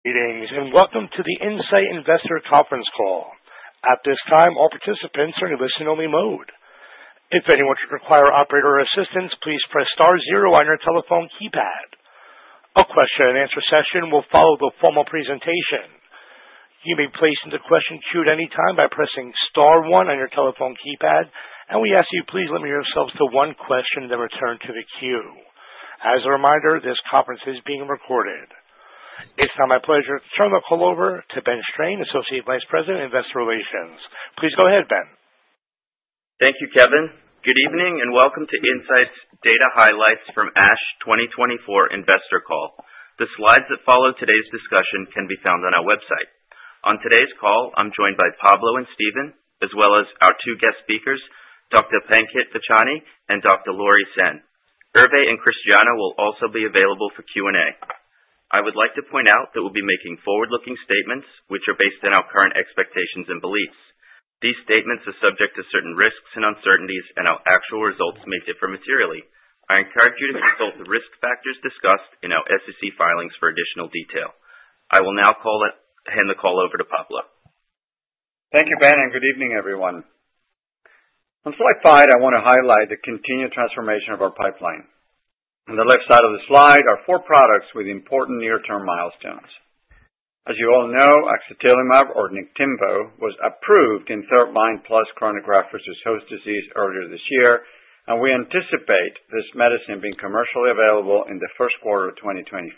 Greetings, and welcome to the Incyte Investor Conference Call. At this time, all participants are in listen-only mode. If anyone should require operator assistance, please press star zero on your telephone keypad. A question-and-answer session will follow the formal presentation. You may place into question queue at any time by pressing star one on your telephone keypad, and we ask that you please limit yourselves to one question and then return to the queue. As a reminder, this conference is being recorded. It's now my pleasure to turn the call over to Ben Strain, Associate Vice President, Investor Relations. Please go ahead, Ben. Thank you, Kevin. Good evening and welcome to Incyte's Data Highlights from ASH 2024 Investor Call. The slides that follow today's discussion can be found on our website. On today's call, I'm joined by Pablo and Steven, as well as our two guest speakers, Dr. Pankit Vachhani and Dr. Laurie Sehn. Hervé and Christiana will also be available for Q&A. I would like to point out that we'll be making forward-looking statements which are based on our current expectations and beliefs. These statements are subject to certain risks and uncertainties, and our actual results may differ materially. I encourage you to consult the risk factors discussed in our SEC filings for additional detail. I will now hand the call over to Pablo. Thank you, Ben, and good evening, everyone. On slide five, I want to highlight the continued transformation of our pipeline. On the left side of the slide are four products with important near-term milestones. As you all know, axatilimab, or Niktimvo, was approved in third-line plus chronic graft-versus-host disease earlier this year, and we anticipate this medicine being commercially available in the first quarter of 2025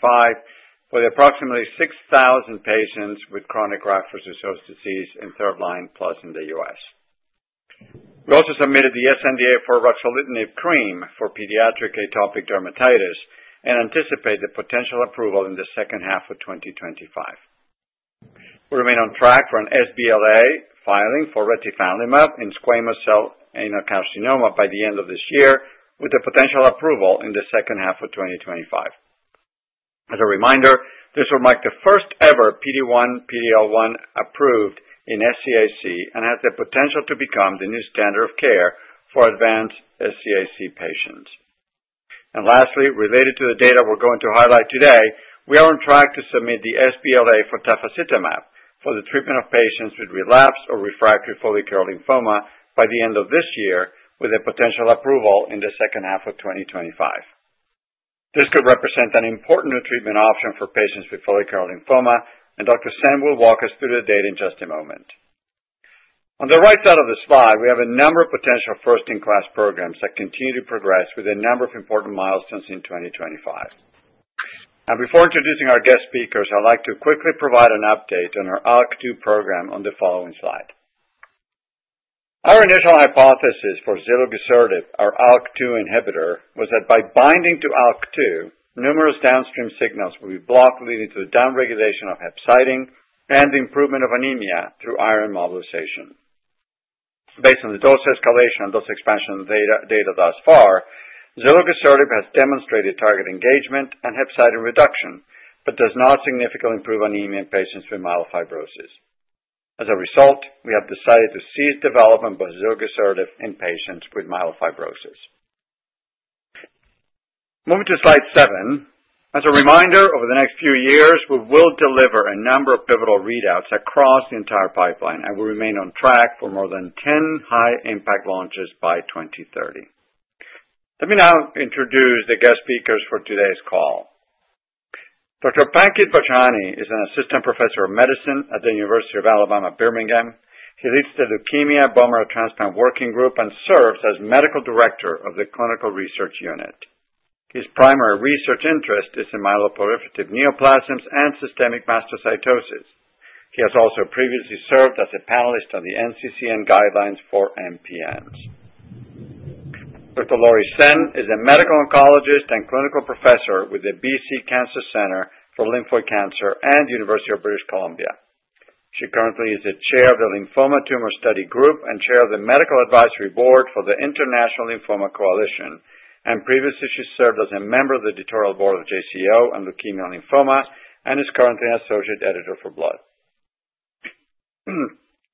for the approximately 6,000 patients with chronic graft-versus-host disease in third-line plus in the U.S. We also submitted the sNDA for ruxolitinib cream for pediatric atopic dermatitis and anticipate the potential approval in the second half of 2025. We remain on track for an sBLA filing for retifanlimab in squamous cell anal carcinoma by the end of this year, with the potential approval in the second half of 2025. As a reminder, this will make the first ever PD-1, PD-L1 approved in SCAC and has the potential to become the new standard of care for advanced SCAC patients. And lastly, related to the data we're going to highlight today, we are on track to submit the sBLA for tafasitamab for the treatment of patients with relapsed or refractory follicular lymphoma by the end of this year, with a potential approval in the second half of 2025. This could represent an important treatment option for patients with follicular lymphoma, and Dr. Sehn will walk us through the data in just a moment. On the right side of the slide, we have a number of potential first-in-class programs that continue to progress with a number of important milestones in 2025. And before introducing our guest speakers, I'd like to quickly provide an update on our ALK2 program on the following slide. Our initial hypothesis for zilurgisertib, our ALK2 inhibitor, was that by binding to ALK2, numerous downstream signals will be blocked, leading to the downregulation of hepcidin and the improvement of anemia through iron mobilization. Based on the dose escalation and dose expansion data thus far, zilurgisertib has demonstrated target engagement and hepcidin reduction but does not significantly improve anemia in patients with myelofibrosis. As a result, we have decided to cease development of zilurgisertib in patients with myelofibrosis. Moving to slide seven, as a reminder, over the next few years, we will deliver a number of pivotal readouts across the entire pipeline and will remain on track for more than 10 high-impact launches by 2030. Let me now introduce the guest speakers for today's call. Dr. Pankit Vachhani is an Assistant Professor of Medicine at the University of Alabama at Birmingham. He leads the Leukemia and Bone Marrow Transplant Working Group and serves as Medical Director of the Clinical Research Unit. His primary research interest is in myeloproliferative neoplasms and systemic mastocytosis. He has also previously served as a panelist on the NCCN Guidelines for MPNs. Dr. Laurie Sehn is a Medical Oncologist and Clinical Professor with the BC Cancer Centre for Lymphoid Cancer and the University of British Columbia. She currently is the Chair of the Lymphoma Tumor Study Group and Chair of the Medical Advisory Board for the International Lymphoma Coalition, and previously she served as a member of the Editorial Board of JCO on leukemia and lymphoma and is currently an Associate Editor for Blood.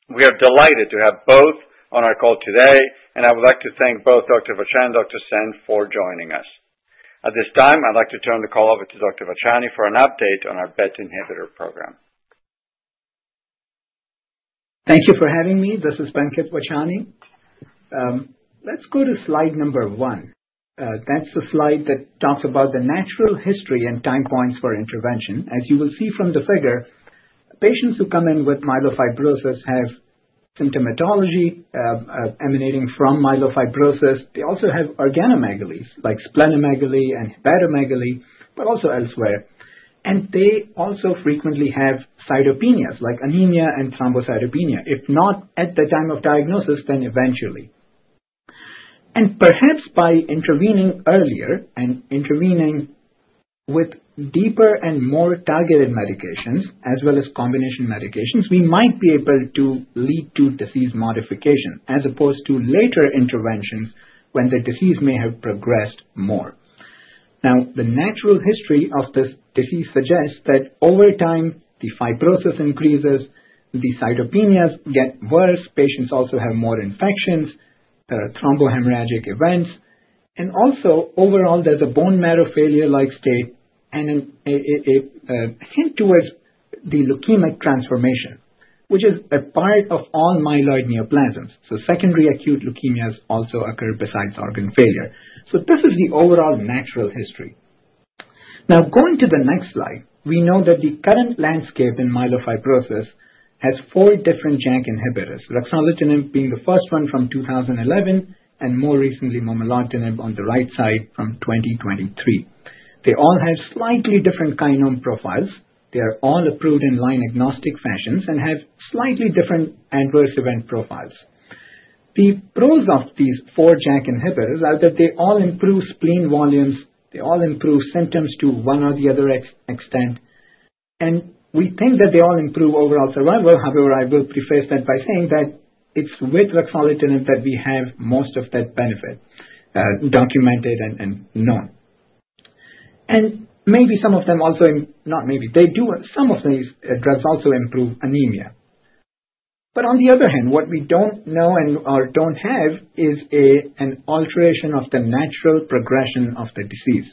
We are delighted to have both on our call today, and I would like to thank both Dr. Pankit Vachhani and Dr. Laurie Sehn for joining us. At this time, I'd like to turn the call over to Dr. Pankit Vachhani for an update on our BET inhibitor program. Thank you for having me. This is Pankit Vachhani. Let's go to slide number one. That's the slide that talks about the natural history and time points for intervention. As you will see from the figure, patients who come in with myelofibrosis have symptomatology emanating from myelofibrosis. They also have organomegalies like splenomegaly and hepatomegaly, but also elsewhere, and they also frequently have cytopenias like anemia and thrombocytopenia, if not at the time of diagnosis, then eventually, and perhaps by intervening earlier and intervening with deeper and more targeted medications, as well as combination medications, we might be able to lead to disease modification as opposed to later interventions when the disease may have progressed more. Now, the natural history of this disease suggests that over time, the fibrosis increases, the cytopenias get worse, patients also have more infections, there are thrombo-hemorrhagic events, and also overall there's a bone marrow failure-like state and a hint towards the leukemic transformation, which is a part of all myeloid neoplasms. So secondary acute leukemias also occur besides organ failure. So this is the overall natural history. Now, going to the next slide, we know that the current landscape in myelofibrosis has four different JAK inhibitors, ruxolitinib being the first one from 2011 and more recently momelotinib on the right side from 2023. They all have slightly different kinome profiles. They are all approved in line-agnostic fashions and have slightly different adverse event profiles. The pros of these four JAK inhibitors are that they all improve spleen volumes, they all improve symptoms to one or the other extent, and we think that they all improve overall survival. However, I will preface that by saying that it's with ruxolitinib that we have most of that benefit documented and known. And maybe some of them also, not maybe, they do, some of these drugs also improve anemia. But on the other hand, what we don't know and don't have is an alteration of the natural progression of the disease,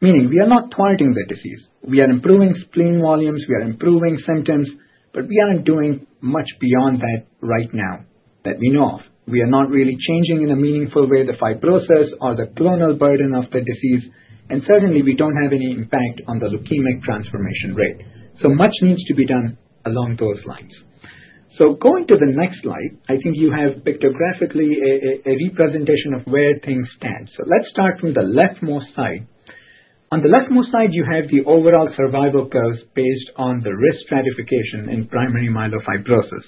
meaning we are not thwarting the disease. We are improving spleen volumes, we are improving symptoms, but we aren't doing much beyond that right now that we know of. We are not really changing in a meaningful way the fibrosis or the clonal burden of the disease, and certainly we don't have any impact on the leukemic transformation rate. So much needs to be done along those lines. So going to the next slide, I think you have pictographically a representation of where things stand. So let's start from the leftmost side. On the leftmost side, you have the overall survival curves based on the risk stratification in primary myelofibrosis.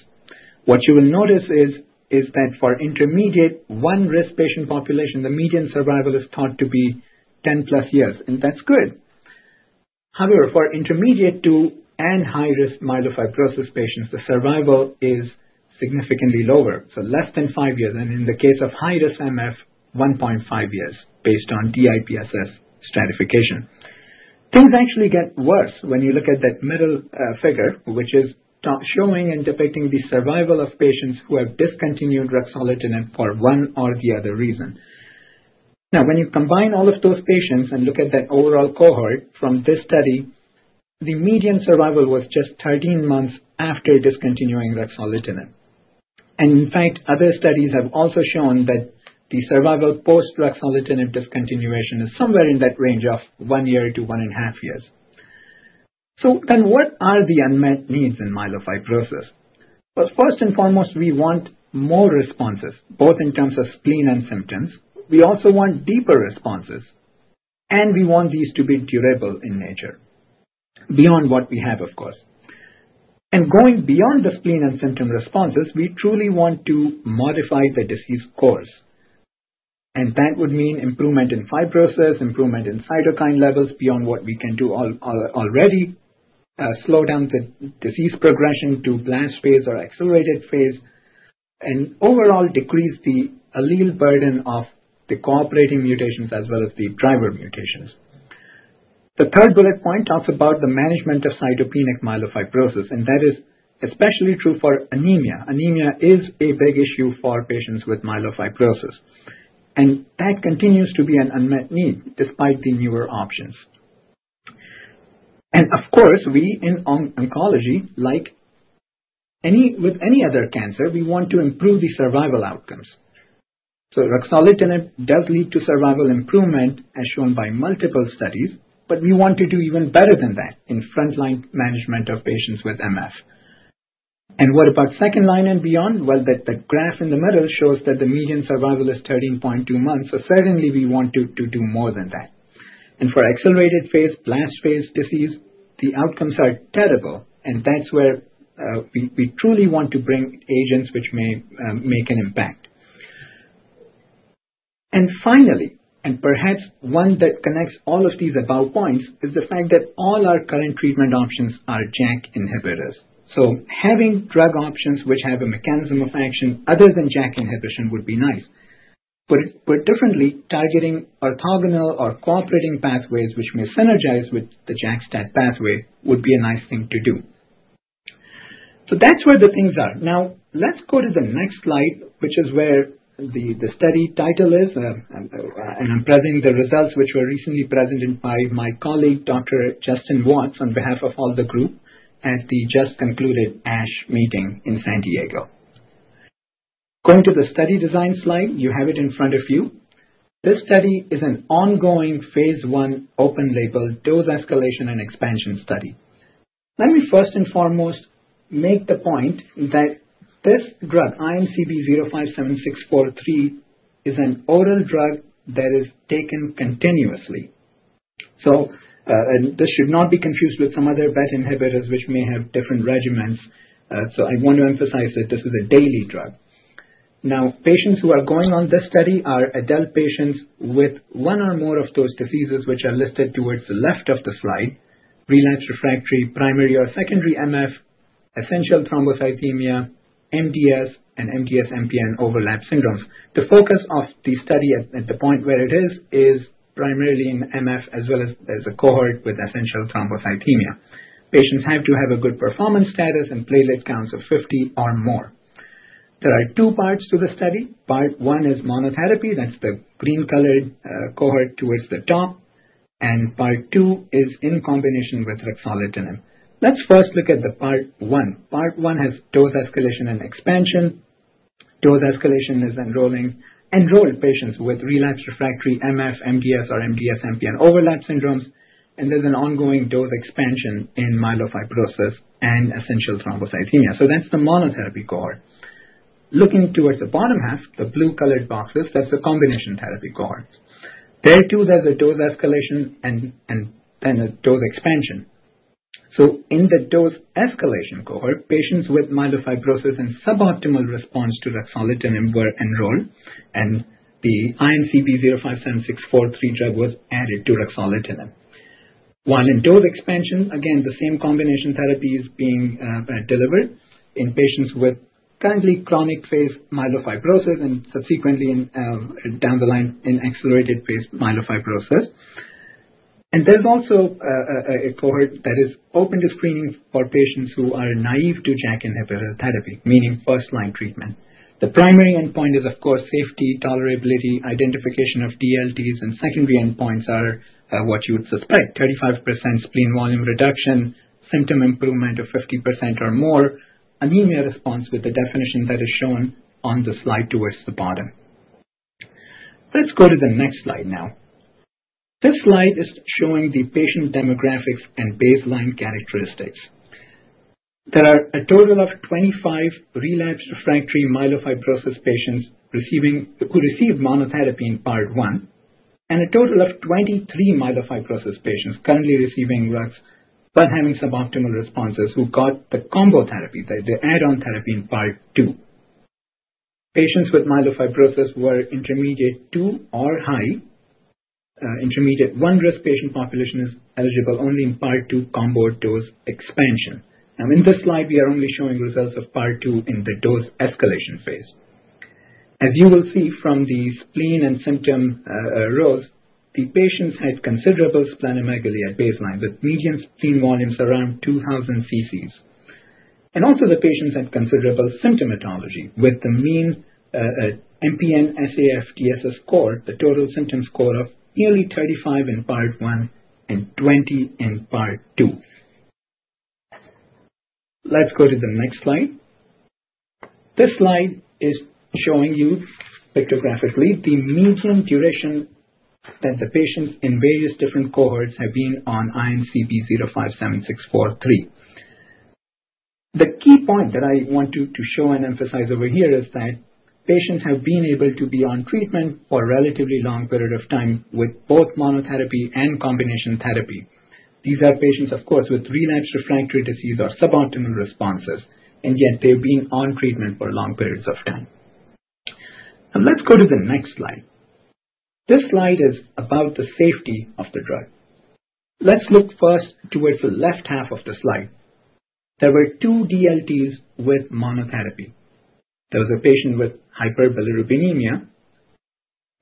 What you will notice is that for Intermediate-1 risk patient population, the median survival is thought to be 10 plus years, and that's good. However, for Intermediate-2 and high-risk myelofibrosis patients, the survival is significantly lower, so less than five years, and in the case of high-risk MF, 1.5 years based on DIPSS stratification. Things actually get worse when you look at that middle figure, which is showing and depicting the survival of patients who have discontinued ruxolitinib for one or the other reason. Now, when you combine all of those patients and look at that overall cohort from this study, the median survival was just 13 months after discontinuing ruxolitinib, and in fact, other studies have also shown that the survival post-ruxolitinib discontinuation is somewhere in that range of one year to one and a half years, so then what are the unmet needs in myelofibrosis? Well, first and foremost, we want more responses, both in terms of spleen and symptoms. We also want deeper responses, and we want these to be durable in nature beyond what we have, of course, and going beyond the spleen and symptom responses, we truly want to modify the disease course. And that would mean improvement in fibrosis, improvement in cytokine levels beyond what we can do already, slow down the disease progression to blast phase or accelerated phase, and overall decrease the allele burden of the cooperating mutations as well as the driver mutations. The third bullet point talks about the management of cytopenic myelofibrosis, and that is especially true for anemia. Anemia is a big issue for patients with myelofibrosis, and that continues to be an unmet need despite the newer options. And of course, we in oncology, like with any other cancer, we want to improve the survival outcomes. So ruxolitinib does lead to survival improvement as shown by multiple studies, but we want to do even better than that in frontline management of patients with MF. And what about second line and beyond? The graph in the middle shows that the median survival is 13.2 months, so certainly we want to do more than that. For accelerated phase, blast phase disease, the outcomes are terrible, and that's where we truly want to bring agents which may make an impact. Finally, and perhaps one that connects all of these above points is the fact that all our current treatment options are JAK inhibitors. Having drug options which have a mechanism of action other than JAK inhibition would be nice, but differently, targeting orthogonal or cooperating pathways which may synergize with the JAK-STAT pathway would be a nice thing to do. That's where the things are. Now, let's go to the next slide, which is where the study title is, and I'm presenting the results which were recently presented by my colleague, Dr. Justin Watts, on behalf of all the group at the just concluded ASH meeting in San Diego. Going to the study design slide, you have it in front of you. This study is an ongoing phase one open label dose escalation and expansion study. Let me first and foremost make the point that this drug, INCB057643, is an oral drug that is taken continuously. So this should not be confused with some other BET inhibitors which may have different regimens. So I want to emphasize that this is a daily drug. Now, patients who are going on this study are adult patients with one or more of those diseases which are listed towards the left of the slide: relapsed/refractory, primary or secondary MF, essential thrombocythemia, MDS, and MDS-MPN overlap syndromes. The focus of the study at the point where it is is primarily in MF as well as there's a cohort with essential thrombocythemia. Patients have to have a good performance status and platelet counts of 50 or more. There are two parts to the study. Part one is monotherapy, that's the green-colored cohort towards the top, and part two is in combination with ruxolitinib. Let's first look at the part one. Part one has dose escalation and expansion. Dose escalation is enrolling patients with relapsed/refractory MF, MDS, or MDS-MPN overlap syndromes, and there's an ongoing dose expansion in myelofibrosis and essential thrombocythemia. So that's the monotherapy cohort. Looking towards the bottom half, the blue-colored boxes, that's the combination therapy cohort. There too, there's a dose escalation and then a dose expansion. In the dose escalation cohort, patients with myelofibrosis and suboptimal response to ruxolitinib were enrolled, and the INCB057643 drug was added to ruxolitinib. While in dose expansion, again, the same combination therapy is being delivered in patients with currently chronic phase myelofibrosis and subsequently down the line in accelerated phase myelofibrosis. There's also a cohort that is open to screening for patients who are naive to JAK inhibitor therapy, meaning first-line treatment. The primary endpoint is, of course, safety, tolerability, identification of DLTs. Secondary endpoints are what you would suspect: 35% spleen volume reduction, symptom improvement of 50% or more, anemia response with the definition that is shown on the slide towards the bottom. Let's go to the next slide now. This slide is showing the patient demographics and baseline characteristics. There are a total of 25 relapsed refractory myelofibrosis patients who received monotherapy in part one and a total of 23 myelofibrosis patients currently receiving drugs but having suboptimal responses who got the combo therapy, the add-on therapy in part two. Patients with myelofibrosis were Intermediate-2 or high. Intermediate one-risk patient population is eligible only in part two combo dose expansion. Now, in this slide, we are only showing results of part two in the dose escalation phase. As you will see from the spleen and symptom rows, the patients had considerable splenomegaly at baseline with median spleen volumes around 2,000 cc. And also, the patients had considerable symptomatology with the mean MPN-SAF TSS score, the total symptom score of nearly 35 in part one and 20 in part two. Let's go to the next slide. This slide is showing you pictographically the median duration that the patients in various different cohorts have been on INCB057643. The key point that I want to show and emphasize over here is that patients have been able to be on treatment for a relatively long period of time with both monotherapy and combination therapy. These are patients, of course, with relapsed refractory disease or suboptimal responses, and yet they've been on treatment for long periods of time. Let's go to the next slide. This slide is about the safety of the drug. Let's look first towards the left half of the slide. There were two DLTs with monotherapy. There was a patient with hyperbilirubinemia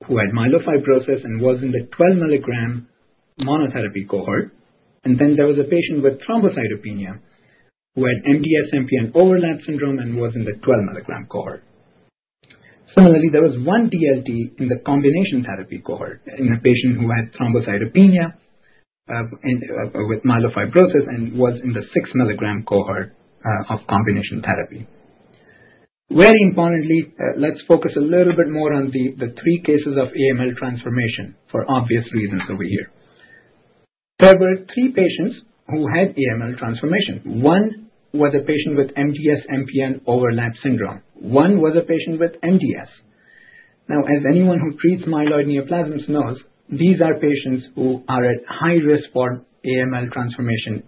who had myelofibrosis and was in the 12-milligram monotherapy cohort, and then there was a patient with thrombocytopenia who had MDS-MPN overlap syndrome and was in the 12-milligram cohort. Similarly, there was one DLT in the combination therapy cohort in a patient who had thrombocytopenia with myelofibrosis and was in the six-milligram cohort of combination therapy. Very importantly, let's focus a little bit more on the three cases of AML transformation for obvious reasons over here. There were three patients who had AML transformation. One was a patient with MDS-MPN overlap syndrome. One was a patient with MDS. Now, as anyone who treats myeloid neoplasms knows, these are patients who are at high risk for AML transformation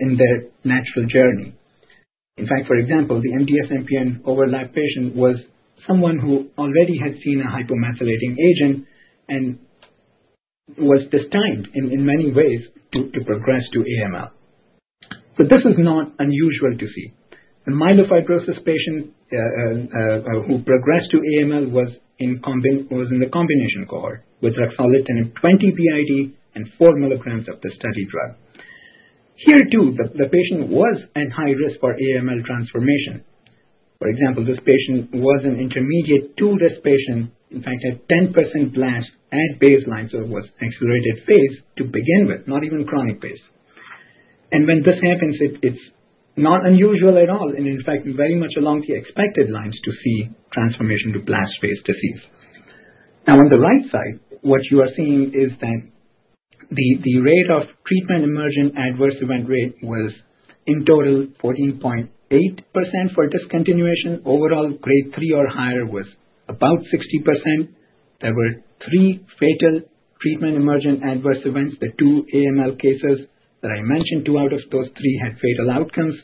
in their natural journey. In fact, for example, the MDS-MPN overlap patient was someone who already had seen a hypomethylating agent and was destined in many ways to progress to AML. So this is not unusual to see. The myelofibrosis patient who progressed to AML was in the combination cohort with ruxolitinib 20 BID and four milligrams of the study drug. Here too, the patient was at high risk for AML transformation. For example, this patient was an intermediate two-risk patient, in fact, had 10% blast at baseline, so it was accelerated phase to begin with, not even chronic phase, and when this happens, it's not unusual at all, and in fact, very much along the expected lines to see transformation to blast phase disease. Now, on the right side, what you are seeing is that the treatment-emergent adverse event rate was in total 14.8% for discontinuation. Overall, grade three or higher was about 60%. There were three fatal treatment-emergent adverse events, the two AML cases that I mentioned. Two out of those three had fatal outcomes,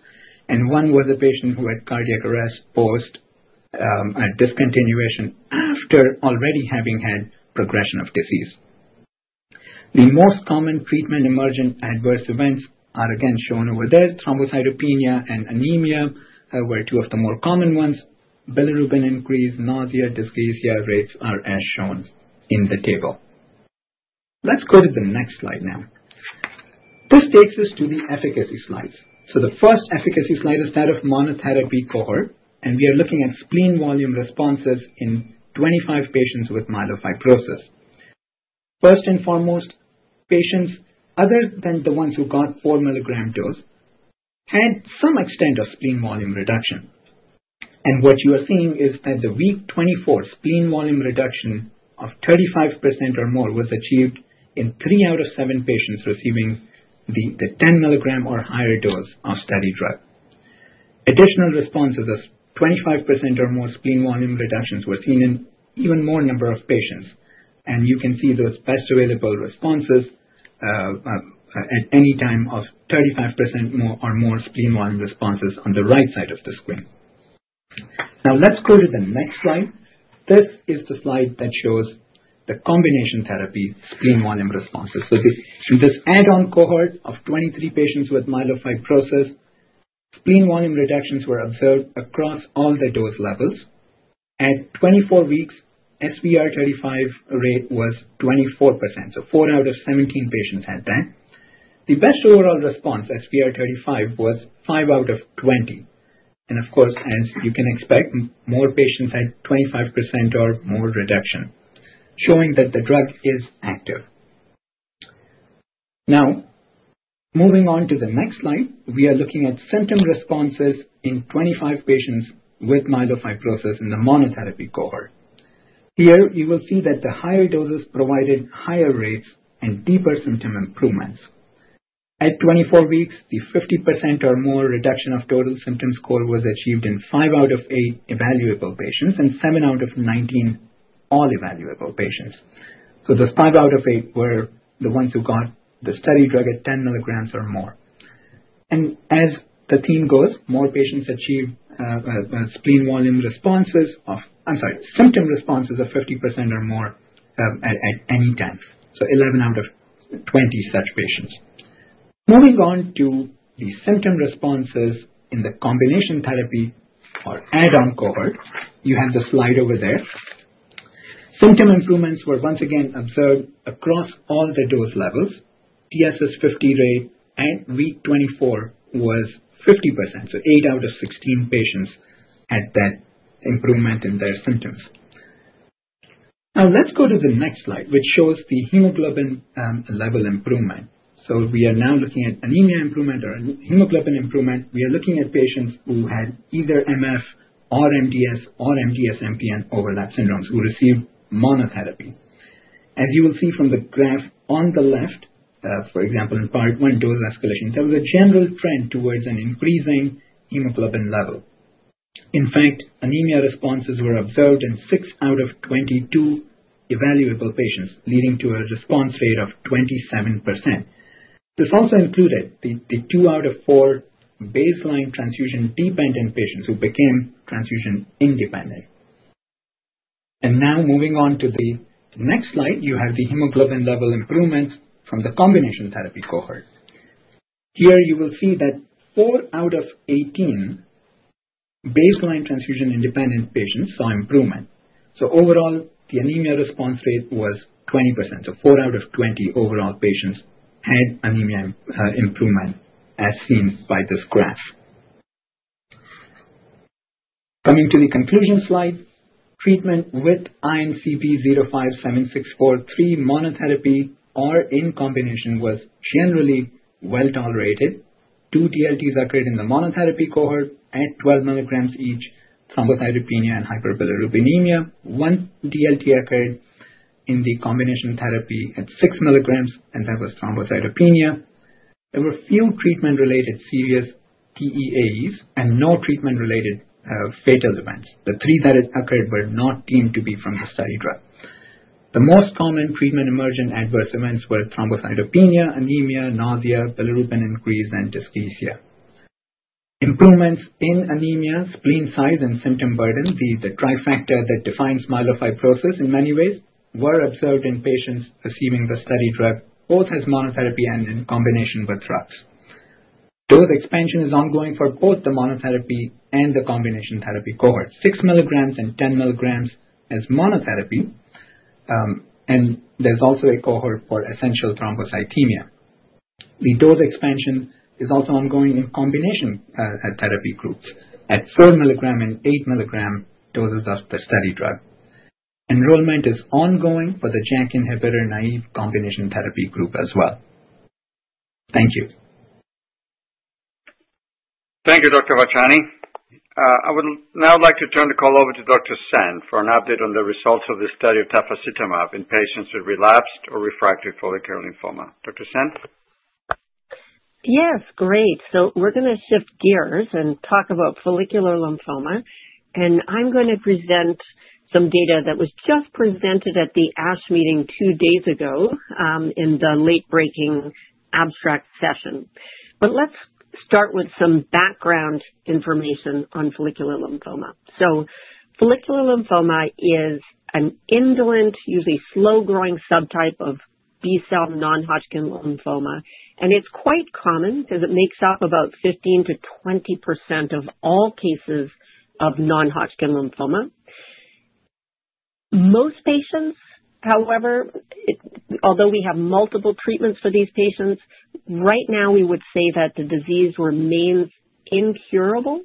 and one was a patient who had cardiac arrest post-discontinuation after already having had progression of disease. The most common treatment-emergent adverse events are again shown over there. Thrombocytopenia and anemia were two of the more common ones. Bilirubin increase, nausea, dysphagia rates are as shown in the table. Let's go to the next slide now. This takes us to the efficacy slides. So the first efficacy slide is that of monotherapy cohort, and we are looking at spleen volume responses in 25 patients with myelofibrosis. First and foremost, patients other than the ones who got 4-milligram dose had some extent of spleen volume reduction. And what you are seeing is that the week 24 spleen volume reduction of 35% or more was achieved in three out of seven patients receiving the 10-milligram or higher dose of study drug. Additional responses as 25% or more spleen volume reductions were seen in even more number of patients, and you can see those best available responses at any time of 35% or more spleen volume responses on the right side of the screen. Now, let's go to the next slide. This is the slide that shows the combination therapy spleen volume responses, so in this add-on cohort of 23 patients with myelofibrosis, spleen volume reductions were observed across all the dose levels. At 24 weeks, SVR35 rate was 24%, so 4 out of 17 patients had that. The best overall response, SVR35, was 5 out of 20, and of course, as you can expect, more patients had 25% or more reduction, showing that the drug is active. Now, moving on to the next slide, we are looking at symptom responses in 25 patients with myelofibrosis in the monotherapy cohort. Here, you will see that the higher doses provided higher rates and deeper symptom improvements. At 24 weeks, the 50% or more reduction of total symptom score was achieved in 5 out of 8 evaluable patients and 7 out of 19 all evaluable patients. So those 5 out of 8 were the ones who got the study drug at 10 milligrams or more, and as the theme goes, more patients achieved spleen volume responses of, I'm sorry, symptom responses of 50% or more at any time, so 11 out of 20 such patients. Moving on to the symptom responses in the combination therapy or add-on cohort, you have the slide over there. Symptom improvements were once again observed across all the dose levels. TSS 50 rate at week 24 was 50%, so 8 out of 16 patients had that improvement in their symptoms. Now, let's go to the next slide, which shows the hemoglobin level improvement. So we are now looking at anemia improvement or hemoglobin improvement. We are looking at patients who had either MF or MDS or MDS-MPN overlap syndromes who received monotherapy. As you will see from the graph on the left, for example, in part one dose escalation, there was a general trend towards an increasing hemoglobin level. In fact, anemia responses were observed in six out of 22 evaluable patients, leading to a response rate of 27%. This also included the two out of four baseline transfusion dependent patients who became transfusion independent. And now, moving on to the next slide, you have the hemoglobin level improvements from the combination therapy cohort. Here, you will see that four out of 18 baseline transfusion independent patients saw improvement. So overall, the anemia response rate was 20%, so four out of 20 overall patients had anemia improvement as seen by this graph. Coming to the conclusion slide, treatment with INCB057643 monotherapy or in combination was generally well tolerated. Two DLTs occurred in the monotherapy cohort at 12 milligrams each, thrombocytopenia and hyperbilirubinemia. One DLT occurred in the combination therapy at 6 milligrams, and that was thrombocytopenia. There were few treatment-related serious TEAEs and no treatment-related fatal events. The three that occurred were not deemed to be from the study drug. The most common treatment emergent adverse events were thrombocytopenia, anemia, nausea, bilirubin increase, and dysphagia. Improvements in anemia, spleen size, and symptom burden, the trifecta that defines myelofibrosis in many ways, were observed in patients receiving the study drug both as monotherapy and in combination with drugs. Dose expansion is ongoing for both the monotherapy and the combination therapy cohort, 6 milligrams and 10 milligrams as monotherapy, and there's also a cohort for essential thrombocythemia. The dose expansion is also ongoing in combination therapy groups at 4 milligram and 8 milligram doses of the study drug. Enrollment is ongoing for the JAK inhibitor naive combination therapy group as well. Thank you. Thank you, Dr. Vachhani. I would now like to turn the call over to Dr. Sehn for an update on the results of the study of tafasitamab in patients with relapsed or refractory follicular lymphoma. Dr. Sehn? Yes, great. So we're going to shift gears and talk about follicular lymphoma, and I'm going to present some data that was just presented at the ASH meeting two days ago in the late-breaking abstract session. But let's start with some background information on follicular lymphoma. Follicular lymphoma is an indolent, usually slow-growing subtype of B-cell non-Hodgkin lymphoma, and it's quite common because it makes up about 15%-20% of all cases of non-Hodgkin lymphoma. Most patients, however, although we have multiple treatments for these patients, right now we would say that the disease remains incurable.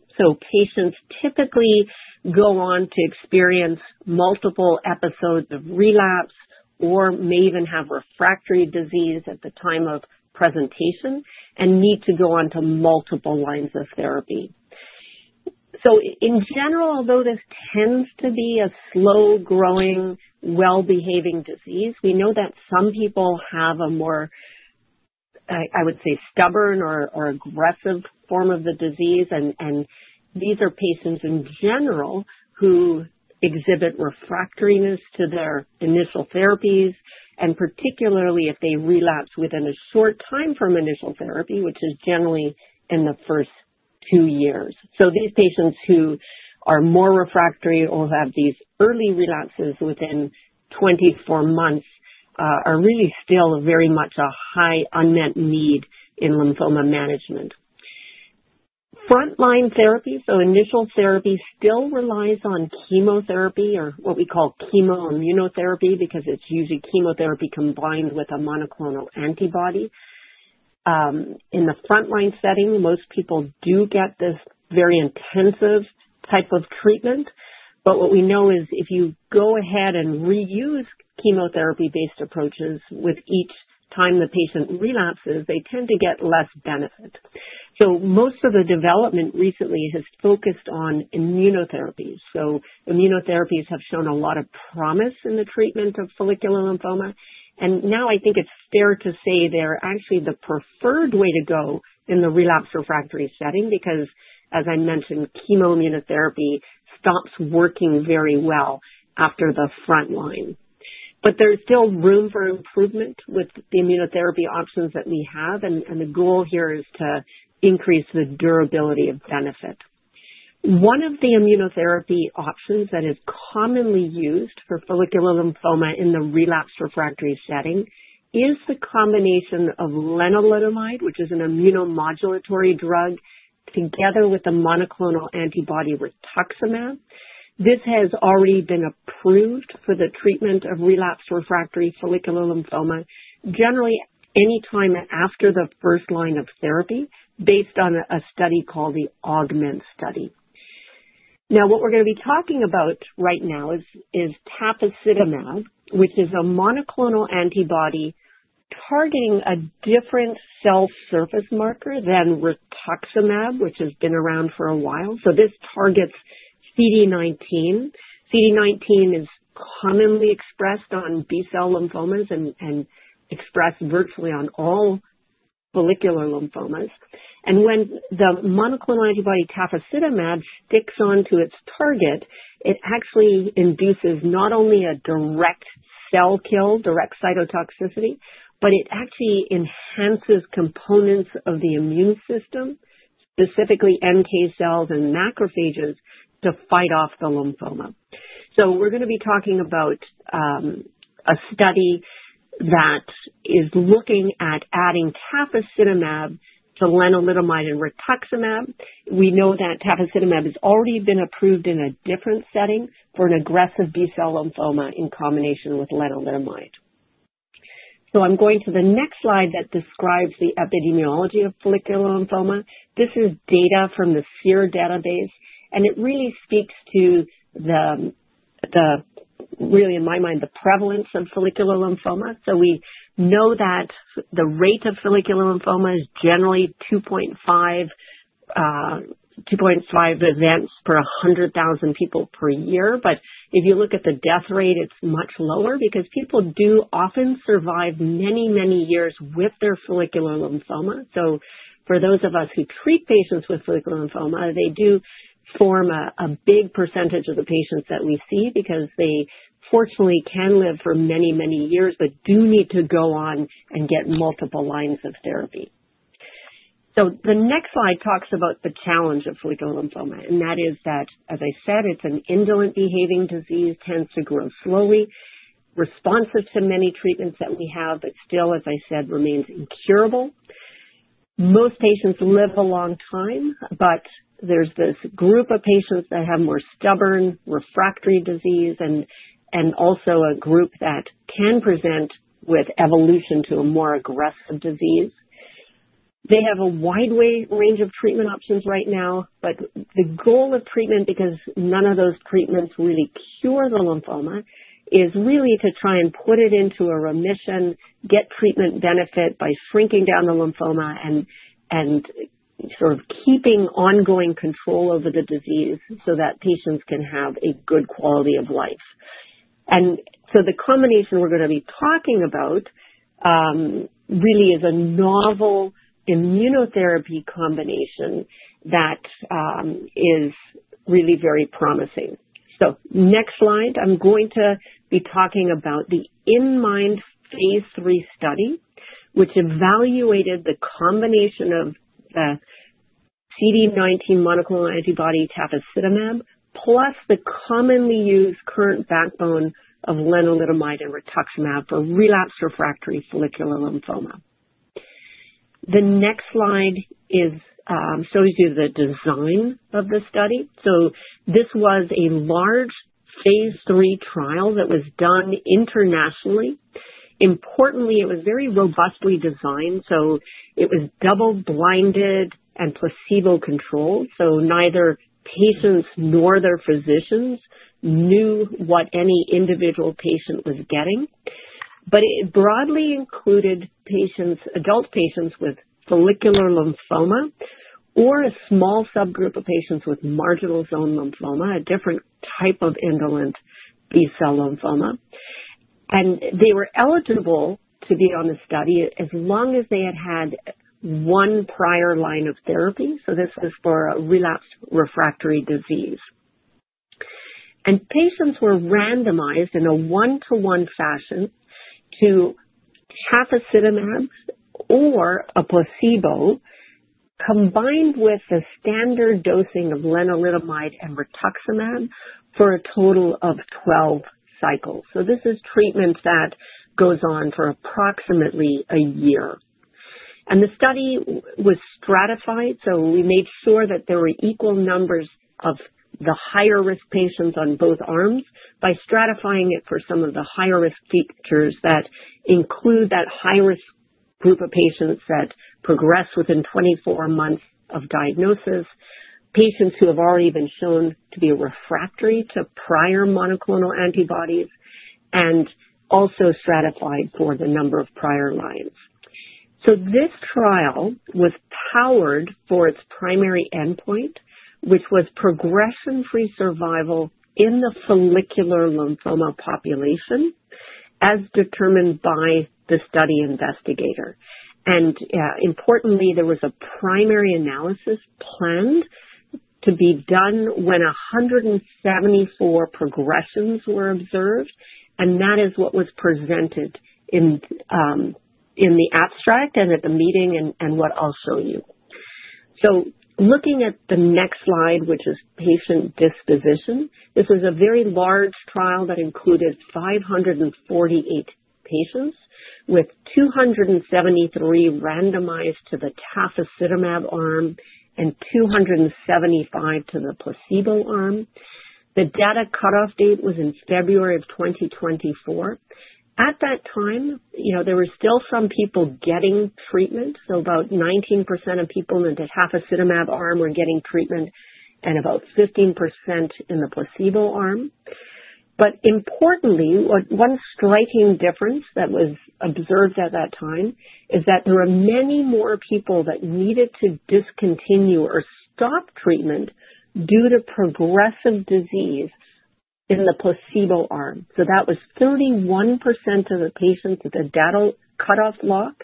Patients typically go on to experience multiple episodes of relapse or may even have refractory disease at the time of presentation and need to go on to multiple lines of therapy. In general, although this tends to be a slow-growing, well-behaving disease, we know that some people have a more, I would say, stubborn or aggressive form of the disease, and these are patients in general who exhibit refractoriness to their initial therapies, and particularly if they relapse within a short time from initial therapy, which is generally in the first two years. These patients who are more refractory or have these early relapses within 24 months are really still very much a high unmet need in lymphoma management. Frontline therapy, so initial therapy, still relies on chemotherapy or what we call chemoimmunotherapy because it's usually chemotherapy combined with a monoclonal antibody. In the frontline setting, most people do get this very intensive type of treatment, but what we know is if you go ahead and reuse chemotherapy-based approaches with each time the patient relapses, they tend to get less benefit. Most of the development recently has focused on immunotherapies. Immunotherapies have shown a lot of promise in the treatment of follicular lymphoma, and now I think it's fair to say they're actually the preferred way to go in the relapse refractory setting because, as I mentioned, chemoimmunotherapy stops working very well after the frontline. But there's still room for improvement with the immunotherapy options that we have, and the goal here is to increase the durability of benefit. One of the immunotherapy options that is commonly used for follicular lymphoma in the relapsed/refractory setting is the combination of lenalidomide, which is an immunomodulatory drug, together with a monoclonal antibody, tafasitamab. This has already been approved for the treatment of relapsed/refractory follicular lymphoma, generally anytime after the first line of therapy based on a study called the AUGMENT study. Now, what we're going to be talking about right now is tafasitamab, which is a monoclonal antibody targeting a different cell surface marker than rituximab, which has been around for a while. So this targets CD19. CD19 is commonly expressed on B-cell lymphomas and expressed virtually on all follicular lymphomas. When the monoclonal antibody tafasitamab sticks onto its target, it actually induces not only a direct cell kill, direct cytotoxicity, but it actually enhances components of the immune system, specifically NK cells and macrophages, to fight off the lymphoma. We're going to be talking about a study that is looking at adding tafasitamab to lenalidomide and rituximab. We know that tafasitamab has already been approved in a different setting for an aggressive B-cell lymphoma in combination with lenalidomide. I'm going to the next slide that describes the epidemiology of follicular lymphoma. This is data from the SEER database, and it really speaks to the, really in my mind, the prevalence of follicular lymphoma. We know that the rate of follicular lymphoma is generally 2.5 events per 100,000 people per year, but if you look at the death rate, it's much lower because people do often survive many, many years with their follicular lymphoma. For those of us who treat patients with follicular lymphoma, they do form a big percentage of the patients that we see because they fortunately can live for many, many years but do need to go on and get multiple lines of therapy. The next slide talks about the challenge of follicular lymphoma, and that is that, as I said, it's an indolent behaving disease, tends to grow slowly, responsive to many treatments that we have, but still, as I said, remains incurable. Most patients live a long time, but there's this group of patients that have more stubborn refractory disease and also a group that can present with evolution to a more aggressive disease. They have a wide range of treatment options right now, but the goal of treatment, because none of those treatments really cure the lymphoma, is really to try and put it into a remission, get treatment benefit by shrinking down the lymphoma and sort of keeping ongoing control over the disease so that patients can have a good quality of life, and so the combination we're going to be talking about really is a novel immunotherapy combination that is really very promising. Next slide, I'm going to be talking about the inMIND phase III study, which evaluated the combination of CD19 monoclonal antibody tafasitamab plus the commonly used current backbone of lenalidomide and rituximab for relapsed refractory follicular lymphoma. The next slide shows you the design of the study. This was a large phase III trial that was done internationally. Importantly, it was very robustly designed, so it was double-blinded and placebo-controlled, so neither patients nor their physicians knew what any individual patient was getting. But it broadly included adult patients with follicular lymphoma or a small subgroup of patients with marginal zone lymphoma, a different type of indolent B-cell lymphoma. And they were eligible to be on the study as long as they had had one prior line of therapy, so this was for a relapsed refractory disease. Patients were randomized in a one-to-one fashion to tafasitamab or a placebo combined with the standard dosing of lenalidomide and rituximab for a total of 12 cycles. This is treatment that goes on for approximately a year. The study was stratified, so we made sure that there were equal numbers of the higher-risk patients on both arms by stratifying it for some of the higher-risk features that include that high-risk group of patients that progress within 24 months of diagnosis, patients who have already been shown to be refractory to prior monoclonal antibodies, and also stratified for the number of prior lines. This trial was powered for its primary endpoint, which was progression-free survival in the follicular lymphoma population as determined by the study investigator. Importantly, there was a primary analysis planned to be done when 174 progressions were observed, and that is what was presented in the abstract and at the meeting and what I'll show you. Looking at the next slide, which is patient disposition, this is a very large trial that included 548 patients with 273 randomized to the tafasitamab arm and 275 to the placebo arm. The data cutoff date was in February of 2024. At that time, there were still some people getting treatment, so about 19% of people in the tafasitamab arm were getting treatment and about 15% in the placebo arm. Importantly, one striking difference that was observed at that time is that there were many more people that needed to discontinue or stop treatment due to progressive disease in the placebo arm. That was 31% of the patients with a data cutoff block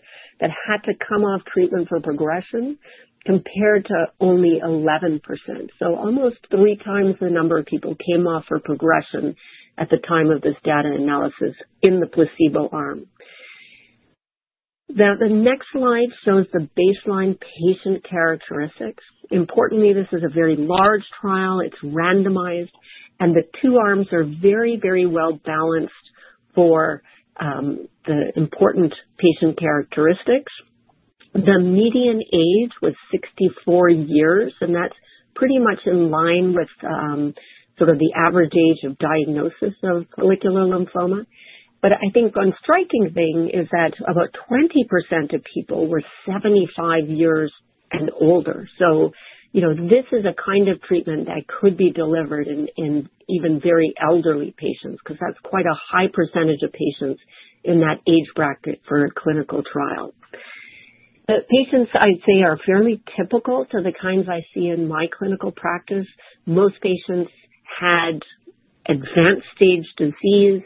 that had to come off treatment for progression compared to only 11%. Almost three times the number of people came off for progression at the time of this data analysis in the placebo arm. Now, the next slide shows the baseline patient characteristics. Importantly, this is a very large trial. It's randomized, and the two arms are very, very well balanced for the important patient characteristics. The median age was 64 years, and that's pretty much in line with sort of the average age of diagnosis of follicular lymphoma. I think one striking thing is that about 20% of people were 75 years and older. This is a kind of treatment that could be delivered in even very elderly patients because that's quite a high percentage of patients in that age bracket for a clinical trial. The patients, I'd say, are fairly typical to the kinds I see in my clinical practice. Most patients had advanced stage disease.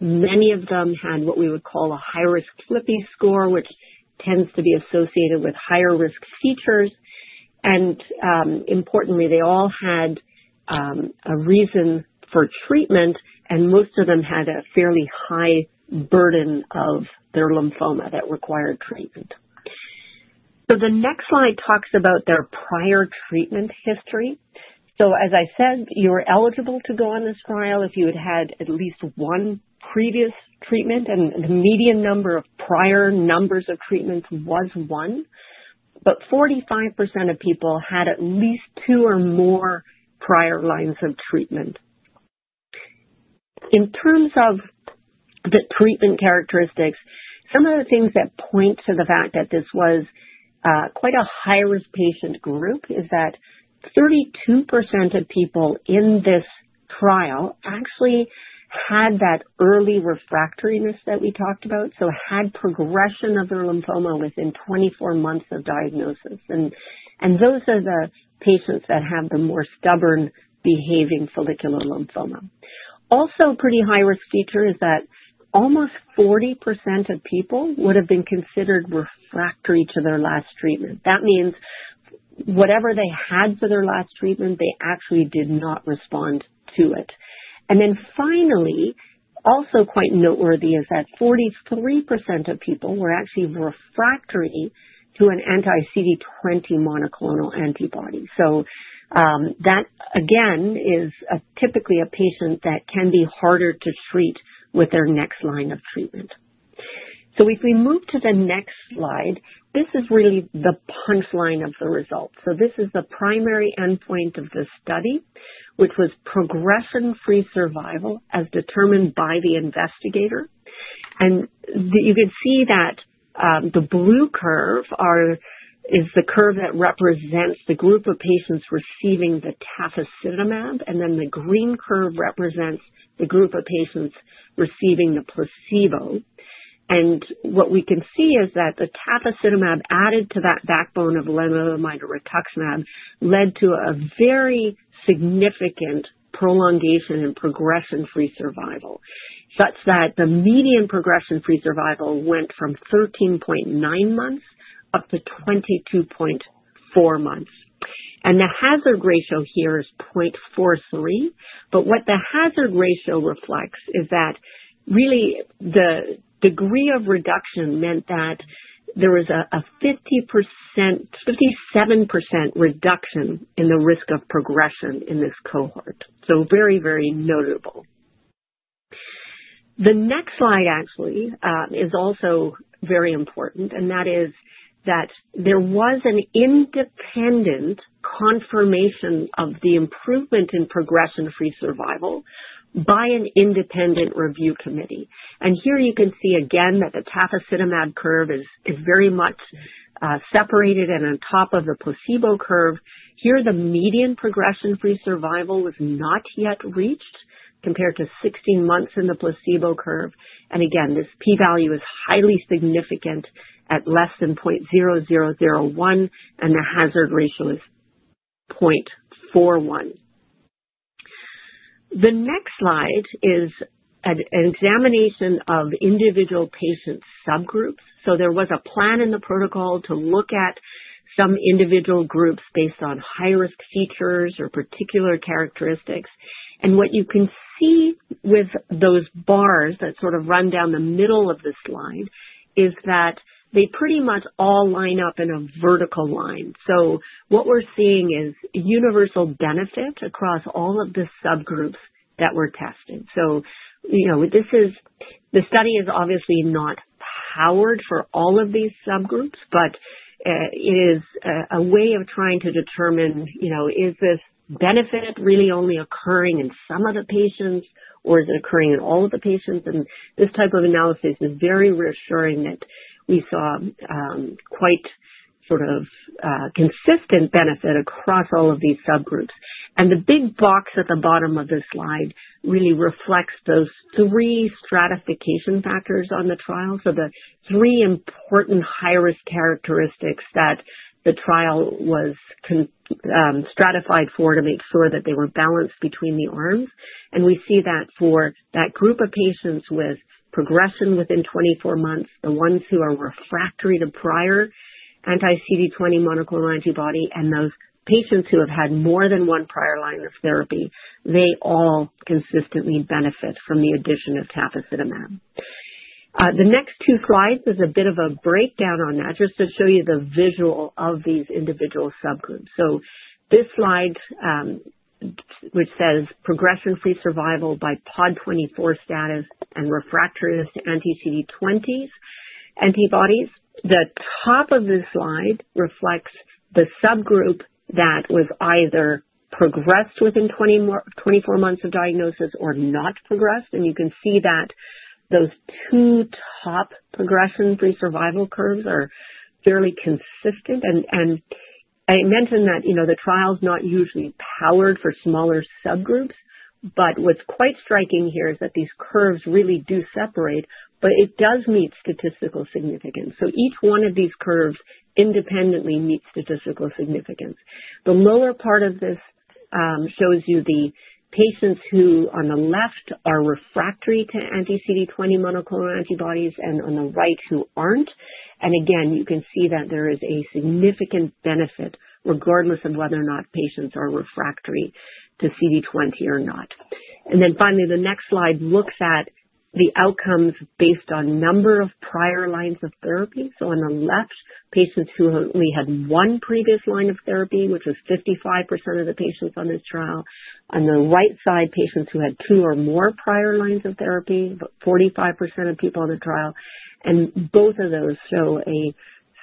Many of them had what we would call a high-risk FLIPI score, which tends to be associated with higher-risk features. Importantly, they all had a reason for treatment, and most of them had a fairly high burden of their lymphoma that required treatment. The next slide talks about their prior treatment history. As I said, you were eligible to go on this trial if you had had at least one previous treatment, and the median number of prior treatments was one. 45% of people had at least two or more prior lines of treatment. In terms of the treatment characteristics, some of the things that point to the fact that this was quite a high-risk patient group is that 32% of people in this trial actually had that early refractoriness that we talked about, so had progression of their lymphoma within 24 months of diagnosis. Those are the patients that have the more stubborn behaving follicular lymphoma. Also, a pretty high-risk feature is that almost 40% of people would have been considered refractory to their last treatment. That means whatever they had for their last treatment, they actually did not respond to it. Finally, also quite noteworthy is that 43% of people were actually refractory to an anti-CD20 monoclonal antibody. So that, again, is typically a patient that can be harder to treat with their next line of treatment. So if we move to the next slide, this is really the punchline of the results. So this is the primary endpoint of the study, which was progression-free survival as determined by the investigator. And you can see that the blue curve is the curve that represents the group of patients receiving the tafasitamab, and then the green curve represents the group of patients receiving the placebo. And what we can see is that the tafasitamab added to that backbone of lenalidomide and rituximab led to a very significant prolongation and progression-free survival, such that the median progression-free survival went from 13.9 months up to 22.4 months. And the hazard ratio here is 0.43, but what the hazard ratio reflects is that really the degree of reduction meant that there was a 57% reduction in the risk of progression in this cohort. So very, very notable. The next slide actually is also very important, and that is that there was an independent confirmation of the improvement in progression-free survival by an independent review committee. And here you can see again that the tafasitamab curve is very much separated and on top of the placebo curve. Here, the median progression-free survival was not yet reached compared to 16 months in the placebo curve. And again, this p-value is highly significant at less than 0.0001, and the hazard ratio is 0.41. The next slide is an examination of individual patient subgroups. So there was a plan in the protocol to look at some individual groups based on high-risk features or particular characteristics. And what you can see with those bars that sort of run down the middle of the slide is that they pretty much all line up in a vertical line. So what we're seeing is universal benefit across all of the subgroups that were tested. So this study is obviously not powered for all of these subgroups, but it is a way of trying to determine, is this benefit really only occurring in some of the patients, or is it occurring in all of the patients? And this type of analysis is very reassuring that we saw quite sort of consistent benefit across all of these subgroups. And the big box at the bottom of this slide really reflects those three stratification factors on the trial, so the three important high-risk characteristics that the trial was stratified for to make sure that they were balanced between the arms. And we see that for that group of patients with progression within 24 months, the ones who are refractory to prior anti-CD20 monoclonal antibody, and those patients who have had more than one prior line of therapy, they all consistently benefit from the addition of tafasitamab. The next two slides is a bit of a breakdown on that just to show you the visual of these individual subgroups. So this slide, which says progression-free survival by POD24 status and refractory to anti-CD20 antibodies, the top of this slide reflects the subgroup that was either progressed within 24 months of diagnosis or not progressed. You can see that those two top progression-free survival curves are fairly consistent. I mentioned that the trial's not usually powered for smaller subgroups, but what's quite striking here is that these curves really do separate, but it does meet statistical significance. So each one of these curves independently meets statistical significance. The lower part of this shows you the patients who, on the left, are refractory to anti-CD20 monoclonal antibodies and on the right who aren't. Again, you can see that there is a significant benefit regardless of whether or not patients are refractory to CD20 or not. Then finally, the next slide looks at the outcomes based on number of prior lines of therapy. On the left, patients who only had one previous line of therapy, which was 55% of the patients on this trial. On the right side, patients who had two or more prior lines of therapy, about 45% of people on the trial, and both of those show a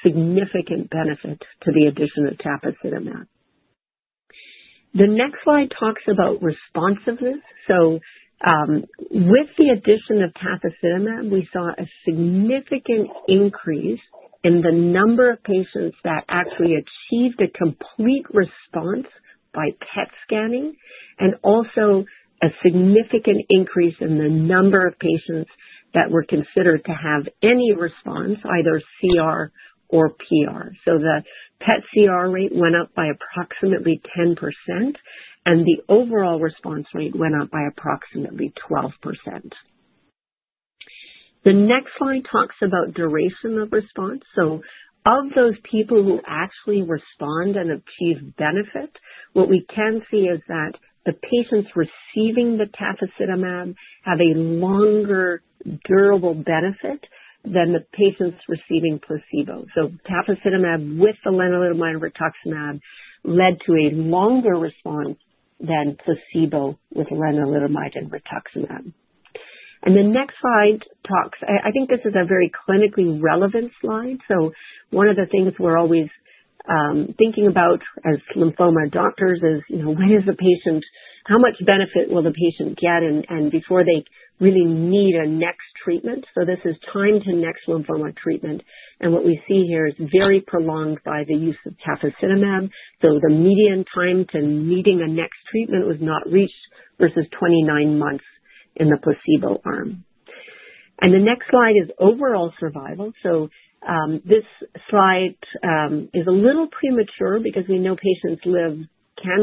significant benefit to the addition of tafasitamab. The next slide talks about responsiveness, so with the addition of tafasitamab, we saw a significant increase in the number of patients that actually achieved a complete response by PET scanning and also a significant increase in the number of patients that were considered to have any response, either CR or PR. So the PET CR rate went up by approximately 10%, and the overall response rate went up by approximately 12%. The next slide talks about duration of response, so of those people who actually respond and achieve benefit, what we can see is that the patients receiving the tafasitamab have a longer durable benefit than the patients receiving placebo. So tafasitamab with the lenalidomide and rituximab led to a longer response than placebo with lenalidomide and rituximab. And the next slide talks. I think this is a very clinically relevant slide. So one of the things we're always thinking about as lymphoma doctors is, when the patient, how much benefit will the patient get before they really need a next treatment. So this is time to next lymphoma treatment. And what we see here is very prolonged by the use of tafasitamab. So the median time to needing a next treatment was not reached versus 29 months in the placebo arm. And the next slide is overall survival. So this slide is a little premature because we know patients can